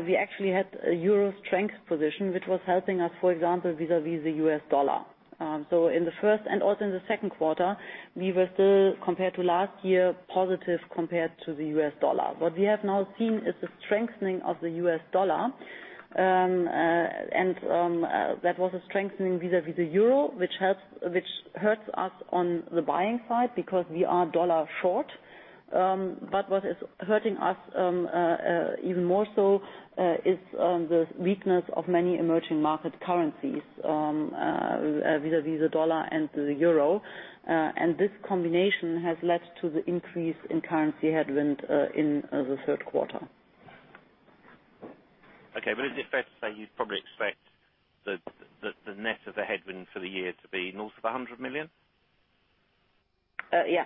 we actually had a EUR strength position, which was helping us, for example, vis-a-vis the US dollar. In the first and also in the second quarter, we were still, compared to last year, positive compared to the US dollar. What we have now seen is the strengthening of the US dollar, and that was a strengthening vis-a-vis the EUR, which hurts us on the buying side because we are USD short. What is hurting us even more so is the weakness of many emerging market currencies vis-à-vis the U.S. dollar and the euro. This combination has led to the increase in currency headwind in the third quarter. Okay. Is it fair to say you probably expect the net of the headwind for the year to be north of 100 million? Yeah.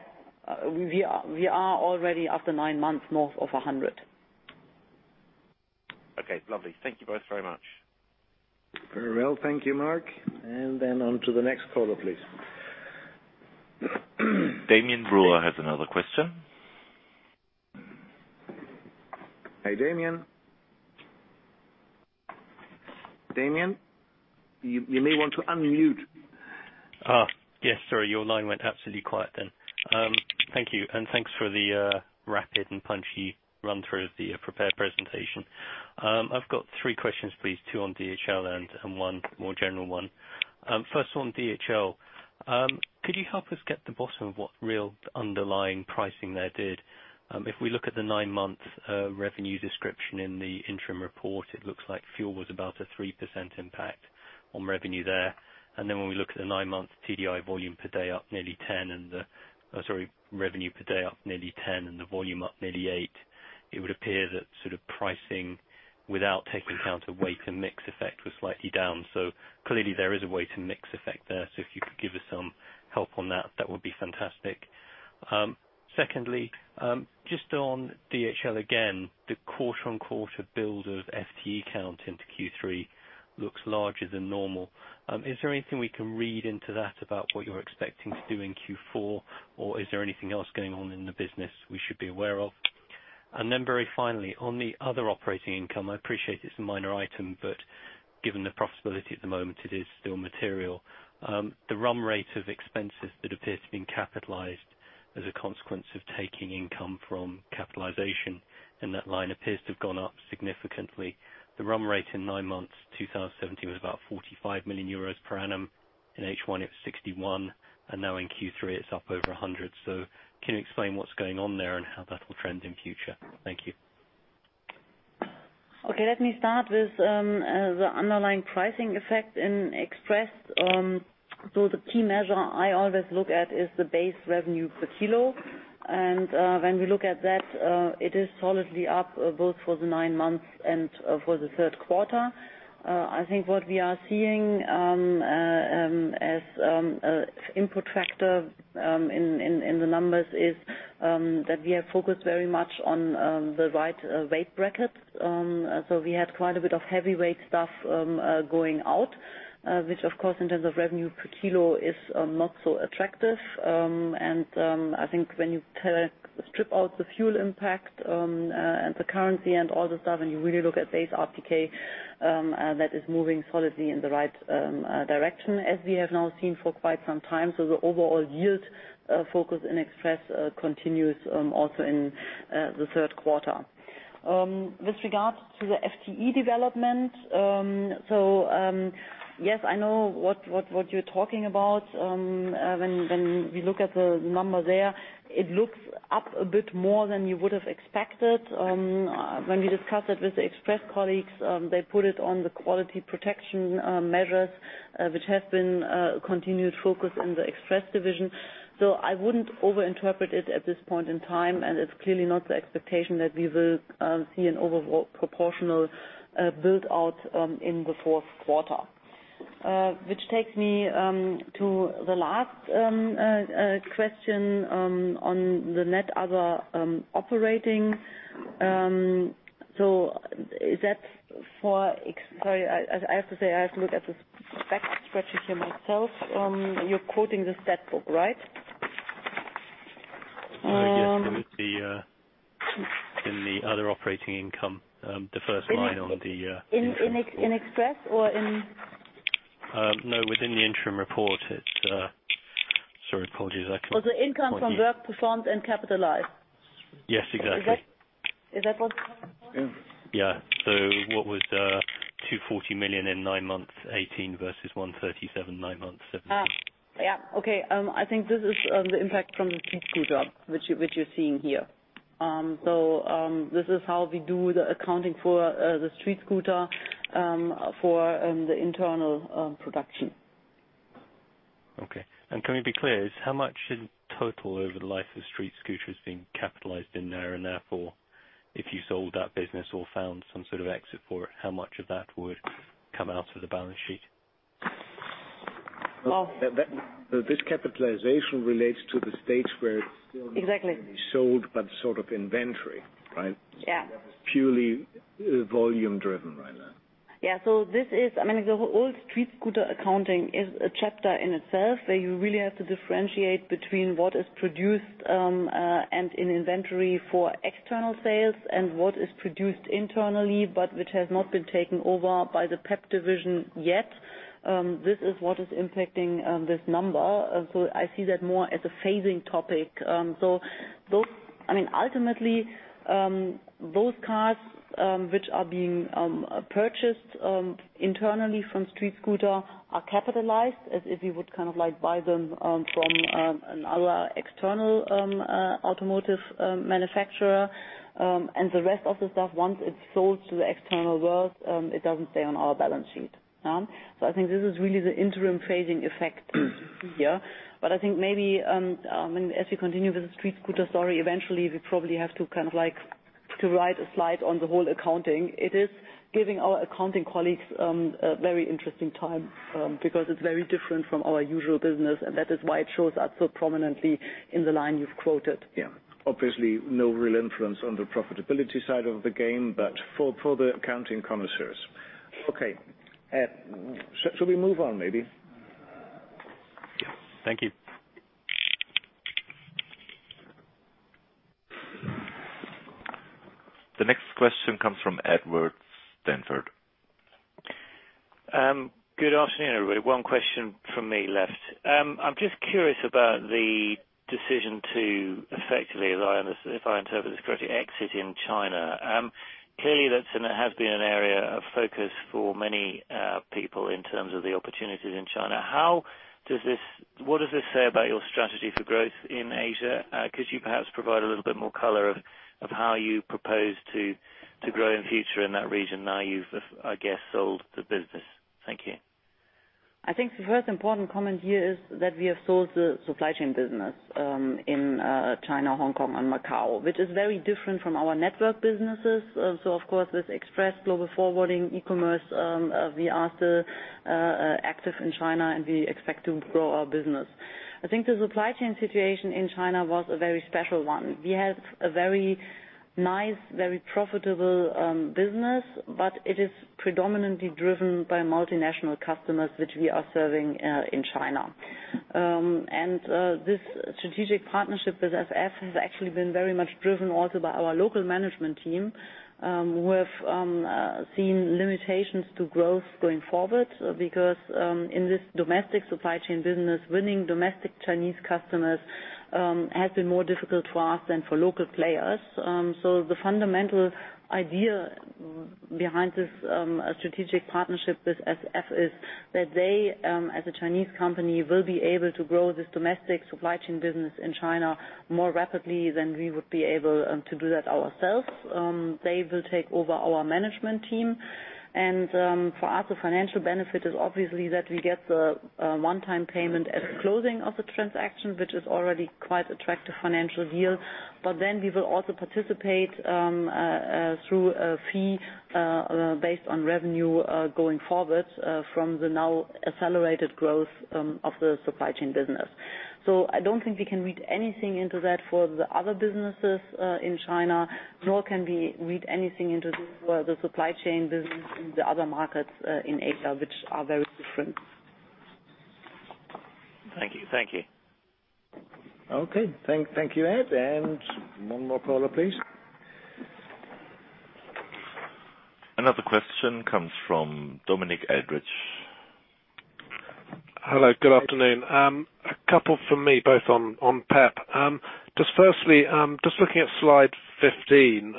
We are already, after nine months, north of 100. Okay, lovely. Thank you both very much. Very well. Thank you, Mark. Then on to the next caller, please. Damian Brewer has another question. Hi, Damian. Damian, you may want to unmute. Yes, sorry. Your line went absolutely quiet then. Thank you, and thanks for the rapid and punchy run through of the prepared presentation. I've got three questions, please. Two on DHL and one more general one. First on DHL. Could you help us get to the bottom of what real underlying pricing there did? If we look at the nine-month revenue description in the interim report, it looks like fuel was about a 3% impact on revenue there. Then when we look at the nine-month TDI volume per day up nearly 10 and the revenue per day up nearly 10 and the volume up nearly eight, it would appear that sort of pricing, without taking into account a weight and mix effect, was slightly down. Clearly there is a weight and mix effect there. If you could give us some help on that would be fantastic. Secondly, just on DHL again, the quarter-on-quarter build of FTE count into Q3 looks larger than normal. Is there anything we can read into that about what you're expecting to do in Q4, or is there anything else going on in the business we should be aware of? Very finally, on the other operating income, I appreciate it's a minor item, but given the profitability at the moment, it is still material. The run rate of expenses that appear to have been capitalized as a consequence of taking income from capitalization, that line appears to have gone up significantly. The run rate in 9 months 2017 was about 45 million euros per annum. In H1, it was 61, and now in Q3, it's up over 100. Can you explain what's going on there and how that will trend in future? Thank you. Okay, let me start with the underlying pricing effect in Express. The key measure I always look at is the base revenue per kilo. When we look at that, it is solidly up both for the 9 months and for the third quarter. I think what we are seeing as a input factor in the numbers is that we are focused very much on the right weight bracket. We had quite a bit of heavyweight stuff going out, which of course, in terms of revenue per kilo is not so attractive. I think when you strip out the fuel impact and the currency and all the stuff, you really look at base RPK, that is moving solidly in the right direction, as we have now seen for quite some time. The overall yield focus in Express continues also in the third quarter. With regards to the FTE development, yes, I know what you're talking about. When we look at the number there, it looks up a bit more than you would have expected. When we discussed it with the Express colleagues, they put it on the quality protection measures, which has been a continued focus in the Express division. I wouldn't over-interpret it at this point in time, and it's clearly not the expectation that we will see an overall proportional build-out in the fourth quarter. Which takes me to the last question on the net other operating. Sorry, I have to say, I have to look at the spec spreadsheet here myself. You're quoting the stat book, right? Yes, it was in the other operating income, the first line on the- In Express or in- No, within the interim report. Sorry, apologies, I can- Oh, the income from work performed and capitalized. Yes, exactly. Is that what What was 240 million in nine months 2018 versus 137 nine months 2017. Okay. I think this is the impact from the StreetScooter, which you are seeing here. This is how we do the accounting for the StreetScooter for the internal production. Okay. Can we be clear, how much in total over the life of StreetScooters being capitalized in there? Therefore, if you sold that business or found some sort of exit for it, how much of that would come out of the balance sheet? Well- This capitalization relates to the stakes where it's still. Exactly not going to be sold, but sort of inventory, right? Yeah. Purely volume driven right now. Yeah. The whole StreetScooter accounting is a chapter in itself, where you really have to differentiate between what is produced and in inventory for external sales and what is produced internally, but which has not been taken over by the P&P division yet. This is what is impacting this number. I see that more as a phasing topic. Ultimately, those cars which are being purchased internally from StreetScooter are capitalized as if you would buy them from another external automotive manufacturer. The rest of the stuff, once it's sold to the external world, it doesn't stay on our balance sheet. I think this is really the interim phasing effect here. I think maybe, as we continue with the StreetScooter story, eventually we probably have to write a slide on the whole accounting. It is giving our accounting colleagues a very interesting time, because it's very different from our usual business, and that is why it shows up so prominently in the line you've quoted. Yeah. Obviously, no real influence on the profitability side of the game, but for the accounting connoisseurs. Okay. Shall we move on, maybe? Thank you. The next question comes from Edward Stanford. Good afternoon, everybody. One question from me left. I'm just curious about the decision to effectively, if I interpret this correctly, exit in China. Clearly, that has been an area of focus for many people in terms of the opportunities in China. What does this say about your strategy for growth in Asia? Could you perhaps provide a little bit more color of how you propose to grow in future in that region now you've, I guess, sold the business. Thank you. I think the first important comment here is that we have sold the supply chain business in China, Hong Kong, and Macau, which is very different from our network businesses. Of course, with Express global forwarding, e-commerce, we are still active in China, and we expect to grow our business. I think the supply chain situation in China was a very special one. We have a very nice, very profitable business, but it is predominantly driven by multinational customers, which we are serving in China. This strategic partnership with SF has actually been very much driven also by our local management team, who have seen limitations to growth going forward. Because in this domestic supply chain business, winning domestic Chinese customers has been more difficult for us than for local players. The fundamental idea behind this strategic partnership with SF is that they, as a Chinese company, will be able to grow this domestic supply chain business in China more rapidly than we would be able to do that ourselves. They will take over our management team, and for us the financial benefit is obviously that we get the one-time payment at closing of the transaction, which is already quite attractive financial yield. We will also participate through a fee based on revenue going forward from the now accelerated growth of the supply chain business. I don't think we can read anything into that for the other businesses in China, nor can we read anything into the supply chain business in the other markets in Asia, which are very different. Thank you. Okay. Thank you, Ed. One more caller, please. Another question comes from Dominic Eldridge. Hello, good afternoon. A couple from me, both on P&P. Just firstly, just looking at slide 15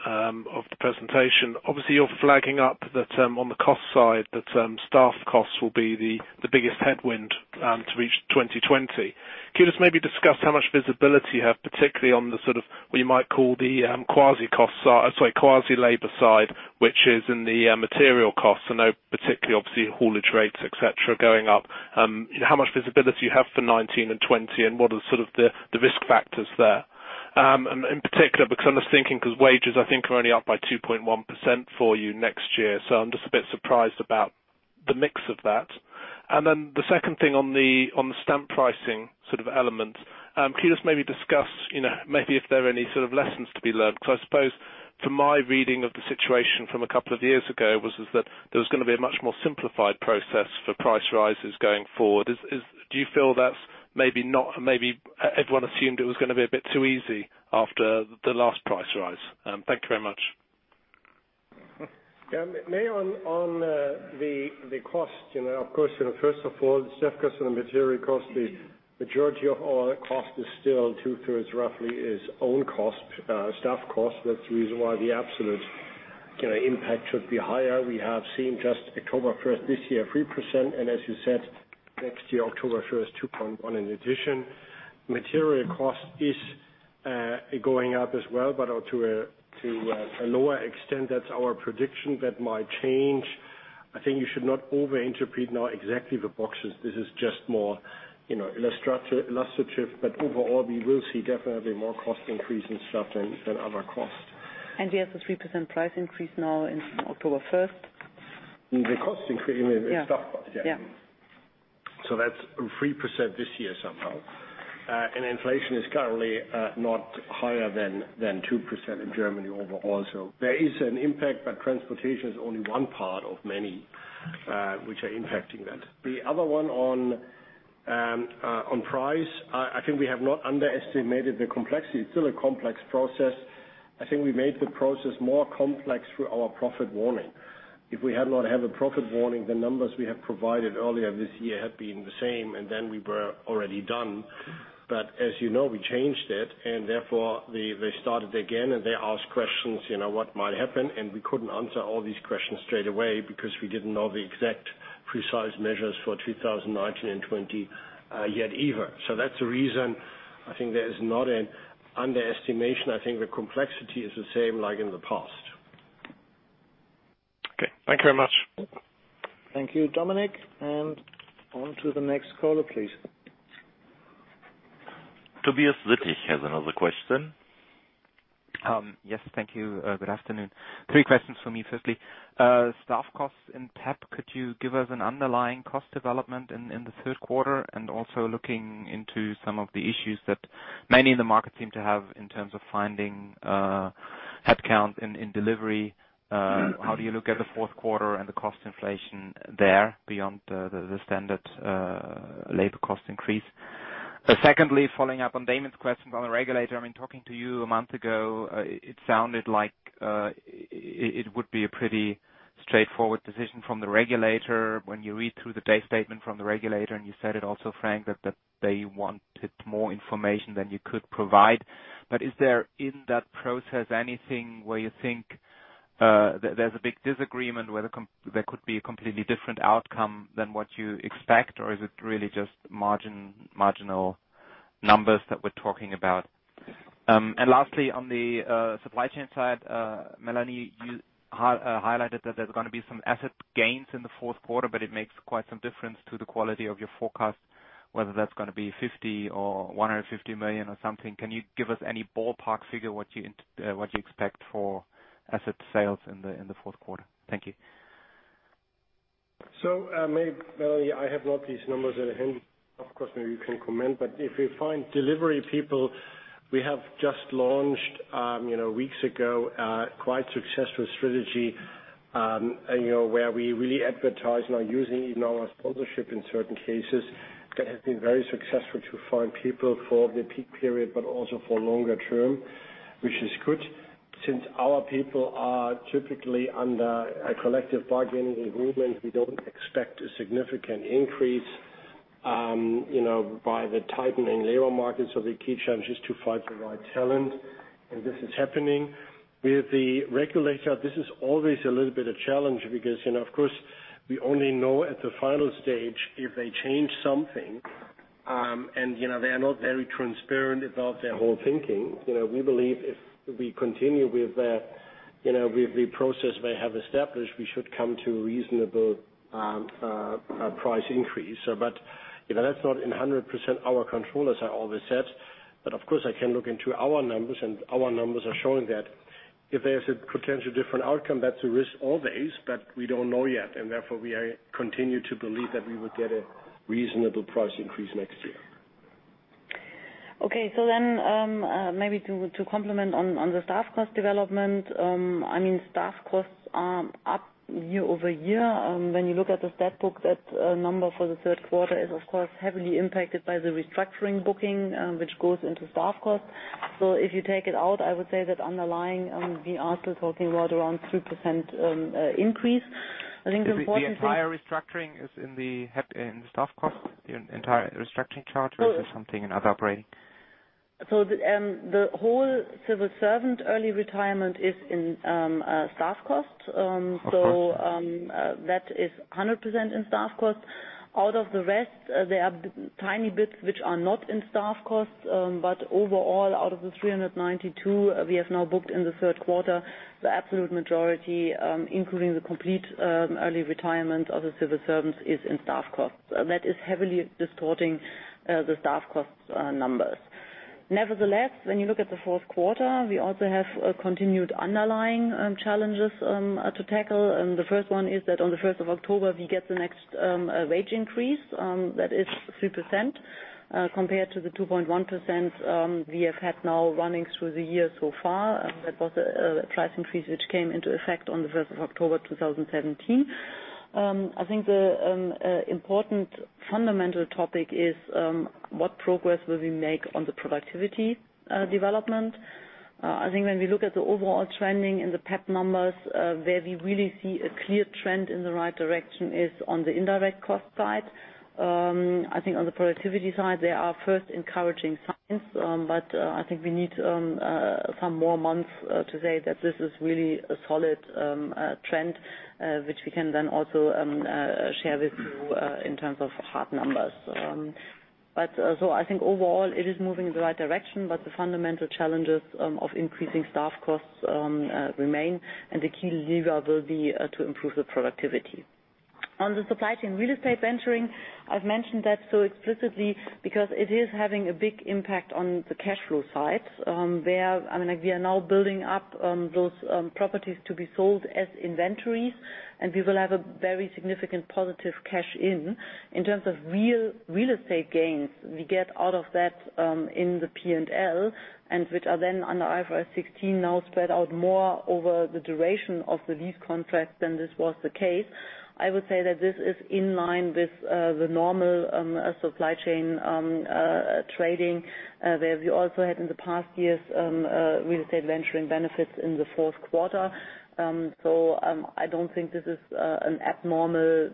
of the presentation. Obviously you're flagging up that on the cost side, that staff costs will be the biggest headwind to reach 2020. Can you just maybe discuss how much visibility you have, particularly on the sort of what you might call the quasi labor side, which is in the material costs? I know particularly obviously haulage rates, et cetera, going up. How much visibility you have for 2019 and 2020, and what are sort of the risk factors there? In particular, because I'm just thinking because wages I think are only up by 2.1% for you next year, so I'm just a bit surprised about the mix of that. Then the second thing on the stamp pricing sort of element. Can you just discuss if there are any sort of lessons to be learned, because I suppose from my reading of the situation from a couple of years ago, was that there was going to be a much more simplified process for price rises going forward. Do you feel that's maybe everyone assumed it was going to be a bit too easy after the last price rise? Thank you very much. On the cost. Of course, first of all, the staff cost and the material cost, the majority of our cost is still two-thirds roughly is own cost, staff cost. That's the reason why the absolute impact should be higher. We have seen just October 1st this year, 3%, and as you said, next year, October 1st, 2.1% in addition. Material cost is going up as well, but to a lower extent. That's our prediction. That might change. I think you should not over interpret now exactly the boxes. This is just more illustrative, but overall we will see definitely more cost increase in staff than other costs. We have the 3% price increase now in October 1st. The cost increase, you mean the staff cost. Yeah. That's 3% this year somehow. Inflation is currently not higher than 2% in Germany overall. There is an impact, but transportation is only one part of many which are impacting that. The other one on price, I think we have not underestimated the complexity. It's still a complex process. I think we made the process more complex through our profit warning. If we had not had a profit warning, the numbers we have provided earlier this year had been the same and then we were already done. As you know, we changed it and therefore they started again and they asked questions, what might happen? We couldn't answer all these questions straight away because we didn't know the exact precise measures for 2019 and 2020 yet either. That's the reason I think there is not an underestimation. I think the complexity is the same like in the past. Okay. Thank you very much. Thank you, Dominic. On to the next caller, please. Tobias Sittig has another question. Yes, thank you. Good afternoon. Three questions from me. Firstly, staff costs in P&P. Could you give us an underlying cost development in the third quarter and also looking into some of the issues that many in the market seem to have in terms of finding headcount in delivery? How do you look at the fourth quarter and the cost inflation there beyond the standard labor cost increase? Secondly, following up on Damian's questions on the regulator. I mean, talking to you a month ago, it sounded like it would be a pretty straightforward decision from the regulator when you read through the data statement from the regulator and you said it also, Frank, that they wanted more information than you could provide. Is there in that process anything where you think there's a big disagreement, whether there could be a completely different outcome than what you expect or is it really just marginal numbers that we're talking about? Lastly, on the supply chain side, Melanie, you highlighted that there's going to be some asset gains in the fourth quarter, but it makes quite some difference to the quality of your forecast, whether that's going to be 50 million or 150 million or something. Can you give us any ballpark figure what you expect for asset sales in the fourth quarter? Thank you. Maybe, Melanie, I have not these numbers at hand. Of course, maybe you can comment, but if you find delivery people, we have just launched, weeks ago, quite successful strategy, where we really advertise now using even our sponsorship in certain cases. That has been very successful to find people for the peak period but also for longer term, which is good. Since our people are typically under a collective bargaining agreement, we don't expect a significant increase by the tightening labor market. The key challenge is to find the right talent, and this is happening. With the regulator, this is always a little bit of challenge because, of course, we only know at the final stage if they change something, and they're not very transparent about their whole thinking. We believe if we continue with the process we have established, we should come to a reasonable price increase. That's not in 100% our control, as I always said. Of course, I can look into our numbers, and our numbers are showing that if there's a potential different outcome, that's a risk always, but we don't know yet. Therefore, we continue to believe that we would get a reasonable price increase next year. Maybe to complement on the staff cost development. Staff costs are up year-over-year. When you look at the stat book, that number for the third quarter is, of course, heavily impacted by the restructuring booking, which goes into staff costs. If you take it out, I would say that underlying, we are still talking about around 3% increase. The entire restructuring is in the staff costs? The entire restructuring charge or is there something in other operating? The whole civil servant early retirement is in staff costs. Okay. That is 100% in staff costs. Out of the rest, there are tiny bits which are not in staff costs. Overall, out of the 392 we have now booked in the third quarter, the absolute majority, including the complete early retirement of the civil servants, is in staff costs. That is heavily distorting the staff costs numbers. Nevertheless, when you look at the fourth quarter, we also have continued underlying challenges to tackle. The 1st one is that on the 1st of October, we get the next wage increase. That is 3%, compared to the 2.1% we have had now running through the year so far. That was a price increase which came into effect on the 1st of October 2017. I think the important fundamental topic is, what progress will we make on the productivity development? I think when we look at the overall trending in the P&P numbers, where we really see a clear trend in the right direction is on the indirect cost side. I think on the productivity side, there are first encouraging signs. I think we need some more months to say that this is really a solid trend, which we can then also share with you in terms of hard numbers. I think overall, it is moving in the right direction, but the fundamental challenges of increasing staff costs remain, and the key lever will be to improve the productivity. On the supply chain real estate venturing, I've mentioned that so explicitly because it is having a big impact on the cash flow side. We are now building up those properties to be sold as inventories, and we will have a very significant positive cash in. In terms of real estate gains, we get out of that in the P&L, and which are then under IFRS 16 now spread out more over the duration of the lease contract than this was the case. I would say that this is in line with the normal supply chain trading, where we also had in the past years real estate venturing benefits in the fourth quarter. I don't think this is an abnormal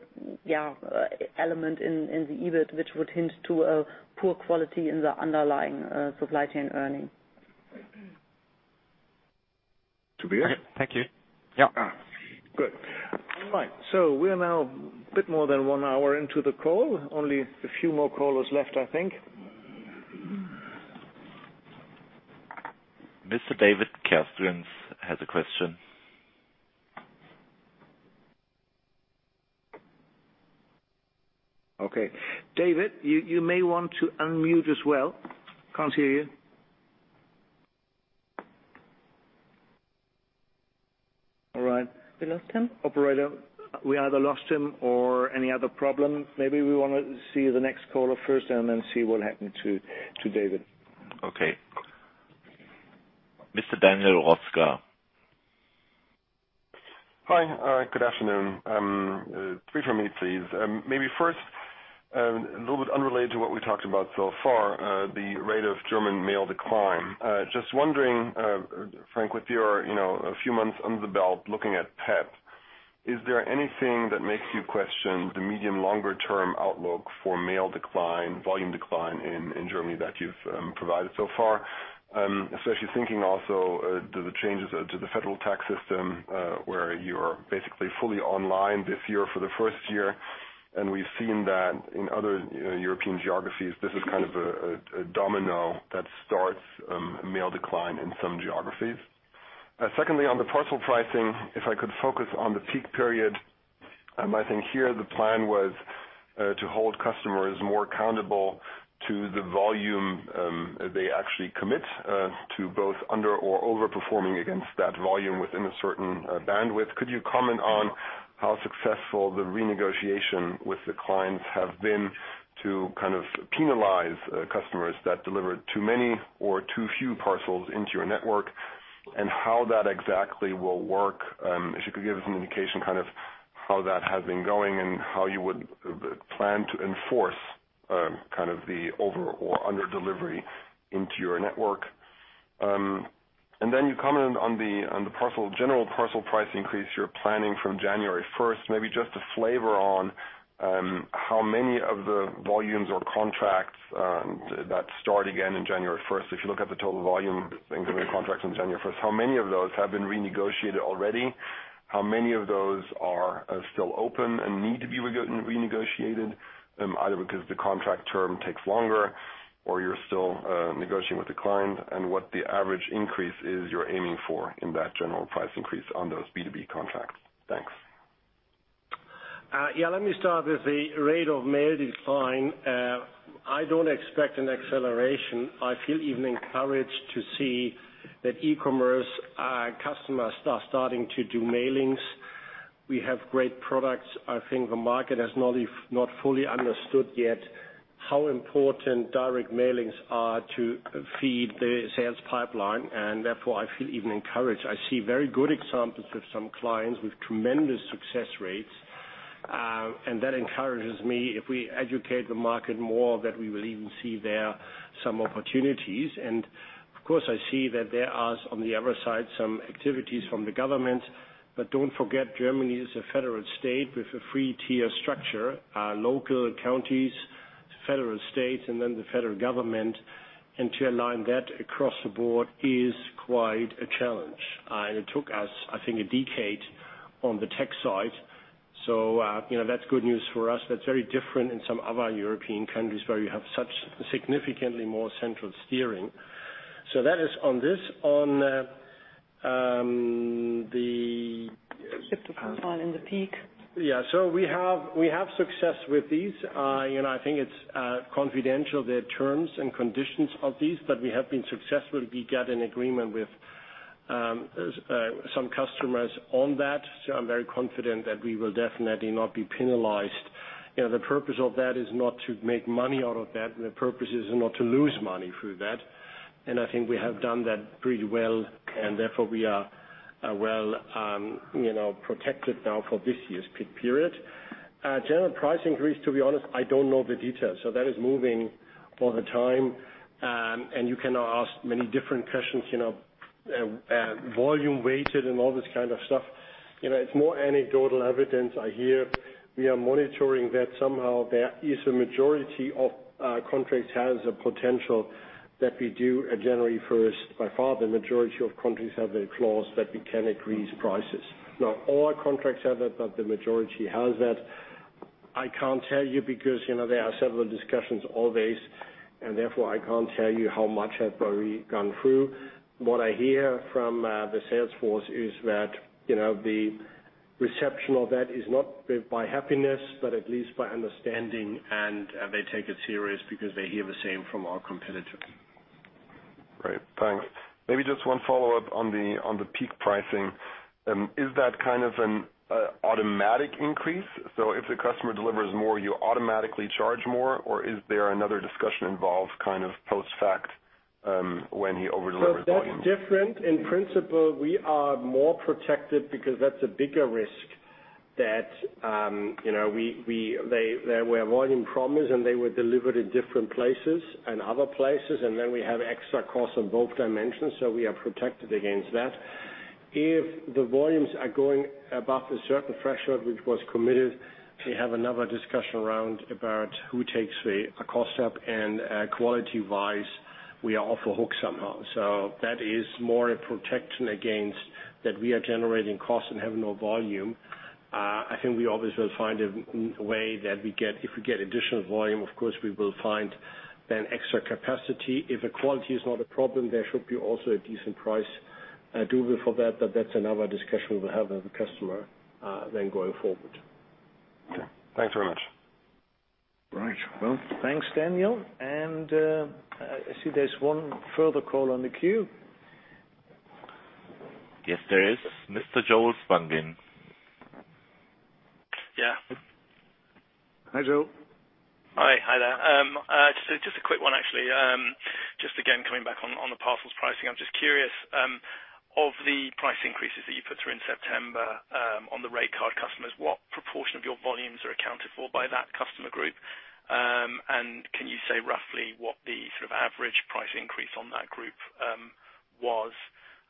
element in the EBIT which would hint to a poor quality in the underlying supply chain earning. Tobias? Okay. Thank you. Yeah. Good. All right. We are now a bit more than one hour into the call. Only a few more callers left, I think. Mr. David Ross has a question. Okay. David, you may want to unmute as well. Can't hear you. All right. We lost him? Operator, we either lost him or any other problem. Maybe we want to see the next caller first, and then see what happened to David. Okay. Mr. Daniel Röska. Hi. Good afternoon. Three from me, please. Maybe first, a little bit unrelated to what we talked about so far, the rate of German mail decline. Just wondering, Frank, with your a few months under the belt looking at P&P, is there anything that makes you question the medium, longer-term outlook for mail decline, volume decline in Germany that you've provided so far? Especially thinking also the changes to the federal tax system, where you're basically fully online this year for the first year, and we've seen that in other European geographies, this is kind of a domino that starts mail decline in some geographies. On the parcel pricing, if I could focus on the peak period. I think here the plan was to hold customers more accountable to the volume they actually commit to, both under or over-performing against that volume within a certain bandwidth. Could you comment on how successful the renegotiation with the clients have been to kind of penalize customers that delivered too many or too few parcels into your network, and how that exactly will work? If you could give us an indication kind of how that has been going and how you would plan to enforce the over or under delivery into your network. You commented on the general parcel price increase you're planning from January 1st, maybe just a flavor on how many of the volumes or contracts that start again in January 1st. If you look at the total volume and given contracts on January 1st, how many of those have been renegotiated already? How many of those are still open and need to be renegotiated, either because the contract term takes longer or you're still negotiating with the client, and what the average increase is you're aiming for in that general price increase on those B2B contracts? Thanks. Yeah, let me start with the rate of mail decline. I don't expect an acceleration. I feel even encouraged to see that e-commerce customers are starting to do mailings. We have great products. I think the market has not fully understood yet how important direct mailings are to feed the sales pipeline, therefore I feel even encouraged. I see very good examples with some clients with tremendous success rates. That encourages me, if we educate the market more, that we will even see there some opportunities. Of course, I see that there are, on the other side, some activities from the government. Don't forget Germany is a federal state with a three-tier structure. Local counties, federal states, and then the federal government. To align that across the board is quite a challenge. It took us, I think, a decade on the tech side. That's good news for us. That's very different in some other European countries where you have such significantly more central steering. That is on this. Shift of profile in the peak. We have success with these. I think it's confidential, their terms and conditions of these, but we have been successful. We get an agreement with some customers on that. I'm very confident that we will definitely not be penalized. The purpose of that is not to make money out of that. The purpose is not to lose money through that. I think we have done that pretty well, and therefore we are well protected now for this year's peak period. General price increase, to be honest, I don't know the details. That is moving all the time. You can now ask many different questions, volume-weighted and all this kind of stuff. It's more anecdotal evidence I hear. We are monitoring that somehow there is a majority of contracts has a potential that we do a January 1st. By far, the majority of countries have a clause that we can increase prices. Not all contracts have that, but the majority has that. I can't tell you because there are several discussions always, and therefore, I can't tell you how much have already gone through. What I hear from the sales force is that the reception of that is not by happiness, but at least by understanding, and they take it serious because they hear the same from our competitor. Great. Thanks. Maybe just one follow-up on the peak pricing. Is that kind of an automatic increase? If the customer delivers more, you automatically charge more? Is there another discussion involved post-fact when he over-delivers volume? That's different. In principle, we are more protected because that's a bigger risk that there were volume problems, and they were delivered in different places and other places, and then we have extra costs on both dimensions, so we are protected against that. If the volumes are going above a certain threshold which was committed, we have another discussion around about who takes the cost up and quality-wise, we are off the hook somehow. That is more a protection against that we are generating costs and have no volume. I think we always will find a way that if we get additional volume, of course, we will find then extra capacity. If the quality is not a problem, there should be also a decent price doable for that, but that's another discussion we'll have with the customer then going forward. Okay. Thanks very much. Right. Well, thanks, Daniel. I see there's one further call on the queue. Yes, there is. Mr. Joel Spungin. Yeah. Hi, Joel. Hi there. Just a quick one, actually. Again, coming back on the parcels pricing. I'm just curious, of the price increases that you put through in September on the rate card customers, what proportion of your volumes are accounted for by that customer group? Can you say roughly what the sort of average price increase on that group was?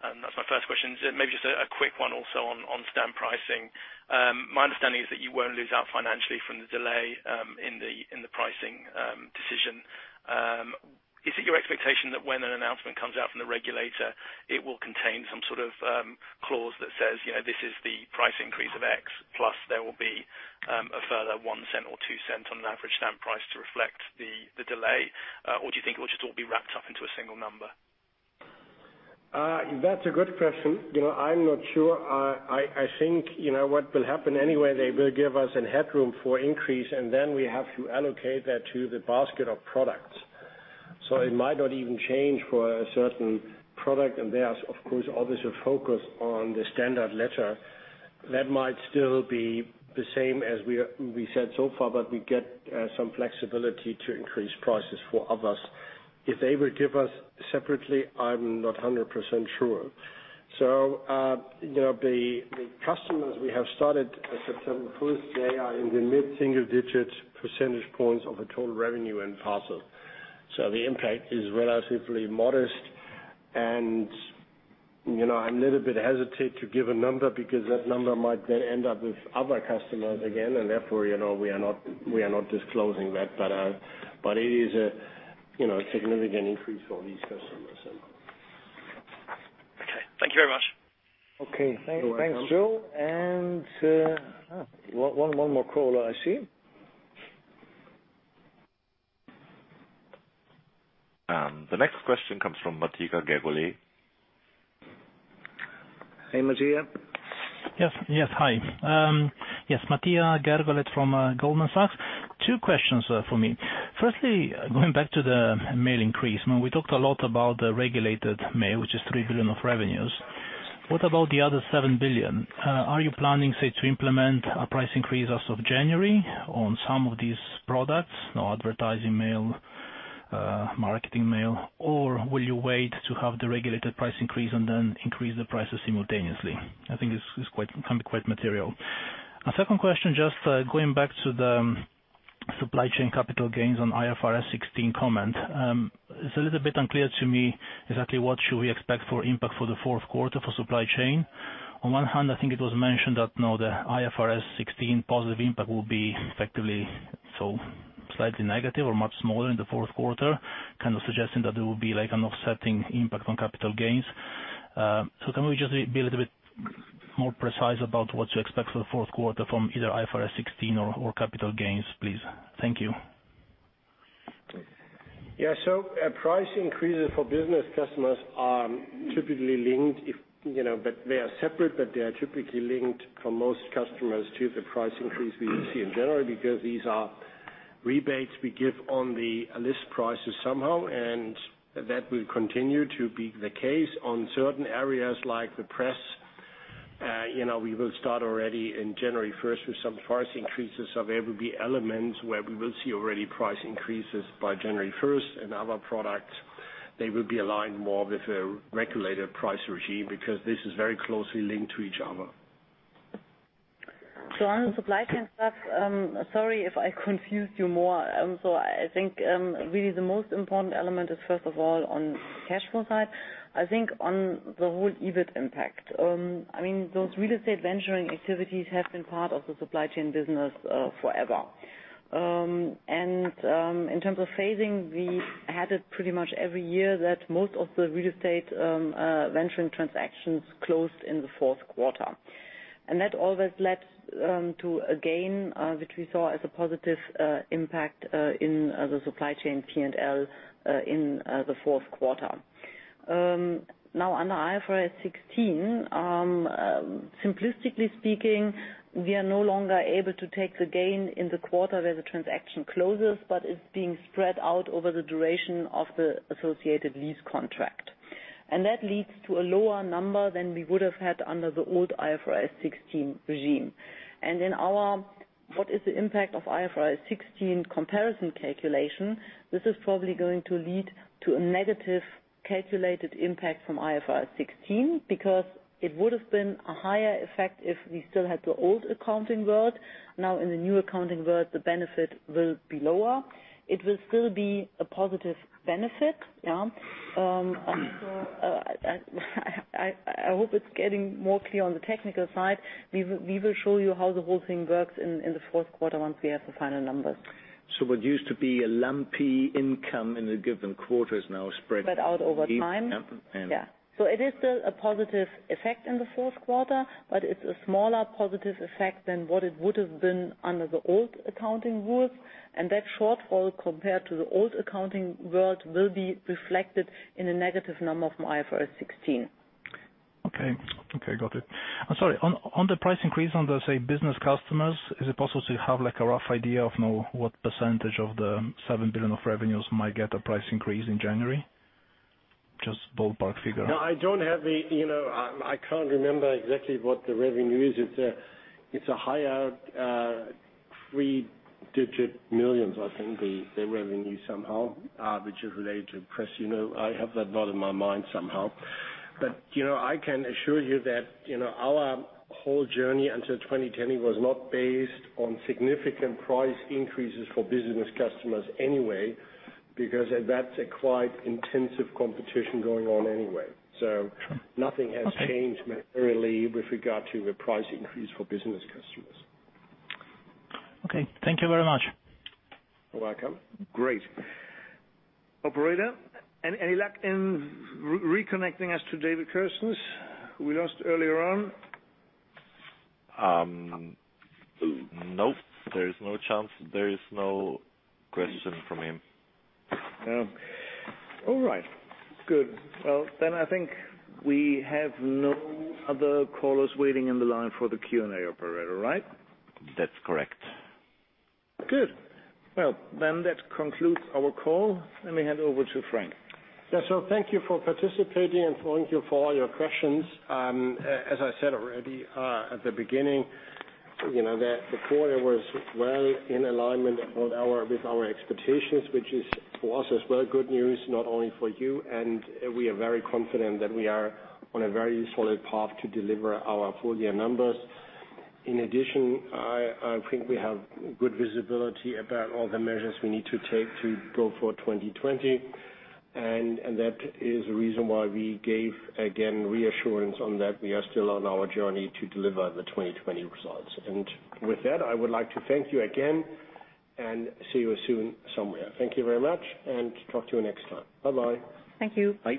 That's my first question. Maybe just a quick one also on stamp pricing. My understanding is that you won't lose out financially from the delay in the pricing decision. Is it your expectation that when an announcement comes out from the regulator, it will contain some sort of clause that says, "This is the price increase of X, plus there will be a further 0.01 or 0.02 on an average stamp price to reflect the delay"? Do you think it will just all be wrapped up into a single number? That's a good question. I'm not sure. I think what will happen anyway, they will give us a headroom for increase, and then we have to allocate that to the basket of products. It might not even change for a certain product. There's, of course, obvious focus on the standard letter. That might still be the same as we said so far, but we get some flexibility to increase prices for others. If they will give us separately, I'm not 100% sure. The customers we have started as of September 1st, they are in the mid-single digits percentage points of the total revenue and parcel. The impact is relatively modest. I'm a little bit hesitant to give a number, because that number might then end up with other customers again, and therefore, we are not disclosing that. It is a significant increase for these customers. Okay. Thank you very much. Okay. You're welcome. Thanks, Joel. One more caller, I see. The next question comes from Mattia Petracca. Hey, Mattia. Yes. Hi. Yes, Mattia Petracca from Goldman Sachs. Two questions for me. Firstly, going back to the mail increase. We talked a lot about the regulated mail, which is 3 billion of revenues. What about the other 7 billion? Are you planning, say, to implement a price increase as of January on some of these products, advertising mail, marketing mail, or will you wait to have the regulated price increase and then increase the prices simultaneously? I think it can be quite material. A second question, just going back to the supply chain capital gains on IFRS 16 comment. It's a little bit unclear to me exactly what should we expect for impact for the fourth quarter for supply chain. On one hand, I think it was mentioned that now the IFRS 16 positive impact will be effectively slightly negative or much smaller in the fourth quarter, kind of suggesting that there will be an offsetting impact on capital gains. Can we just be a little bit more precise about what to expect for the fourth quarter from either IFRS 16 or capital gains, please? Thank you. Price increases for business customers are typically linked, but they are separate, but they are typically linked for most customers to the price increase we see in January, because these are rebates we give on the list prices somehow, and that will continue to be the case. On certain areas, like the press, we will start already in January 1st with some price increases. There will be elements where we will see already price increases by January 1st. Other products, they will be aligned more with a regulated price regime, because this is very closely linked to each other. On the supply chain stuff, sorry if I confused you more. I think really the most important element is, first of all, on cash flow side. I think on the whole EBIT impact. Those real estate venturing activities have been part of the supply chain business forever. In terms of phasing, we had it pretty much every year that most of the real estate venturing transactions closed in the fourth quarter. That always led to a gain, which we saw as a positive impact in the supply chain P&L in the fourth quarter. Now, under IFRS 16, simplistically speaking, we are no longer able to take the gain in the quarter where the transaction closes, but it's being spread out over the duration of the associated lease contract. That leads to a lower number than we would have had under the old IFRS 16 regime. In our, what is the impact of IFRS 16 comparison calculation, this is probably going to lead to a negative calculated impact from IFRS 16, because it would have been a higher effect if we still had the old accounting world. Now in the new accounting world, the benefit will be lower. It will still be a positive benefit. I hope it's getting more clear on the technical side. We will show you how the whole thing works in the fourth quarter once we have the final numbers. What used to be a lumpy income in a given quarter is now spread- Spread out over time. Yeah. Yeah. It is still a positive effect in the fourth quarter, but it's a smaller positive effect than what it would have been under the old accounting rules. That shortfall compared to the old accounting world will be reflected in a negative number from IFRS 16. Okay. Got it. I'm sorry, on the price increase on the, say, business customers, is it possible to have a rough idea of what % of the 7 billion of revenues might get a price increase in January? Just ballpark figure. I can't remember exactly what the revenue is. It's a higher 3-digit millions, I think, the revenue somehow, which is related to P&P. I have that not in my mind somehow. I can assure you that our whole journey until 2020 was not based on significant price increases for business customers anyway, because that's a quite intensive competition going on anyway. Nothing has changed materially with regard to the price increase for business customers. Okay. Thank you very much. You're welcome. Great. Operator, any luck in reconnecting us to David Ross, who we lost earlier on? Nope. There is no chance. There is no question from him. All right, good. I think we have no other callers waiting in the line for the Q&A, operator, right? That's correct. Good. That concludes our call. Let me hand over to Frank. Thank you for participating and thank you for all your questions. As I said already at the beginning, the quarter was well in alignment with our expectations, which is for us as well, good news, not only for you. We are very confident that we are on a very solid path to deliver our full year numbers. In addition, I think we have good visibility about all the measures we need to take to go for 2020. That is the reason why we gave, again, reassurance on that. We are still on our journey to deliver the 2020 results. With that, I would like to thank you again and see you soon somewhere. Thank you very much, and talk to you next time. Bye-bye. Thank you. Bye.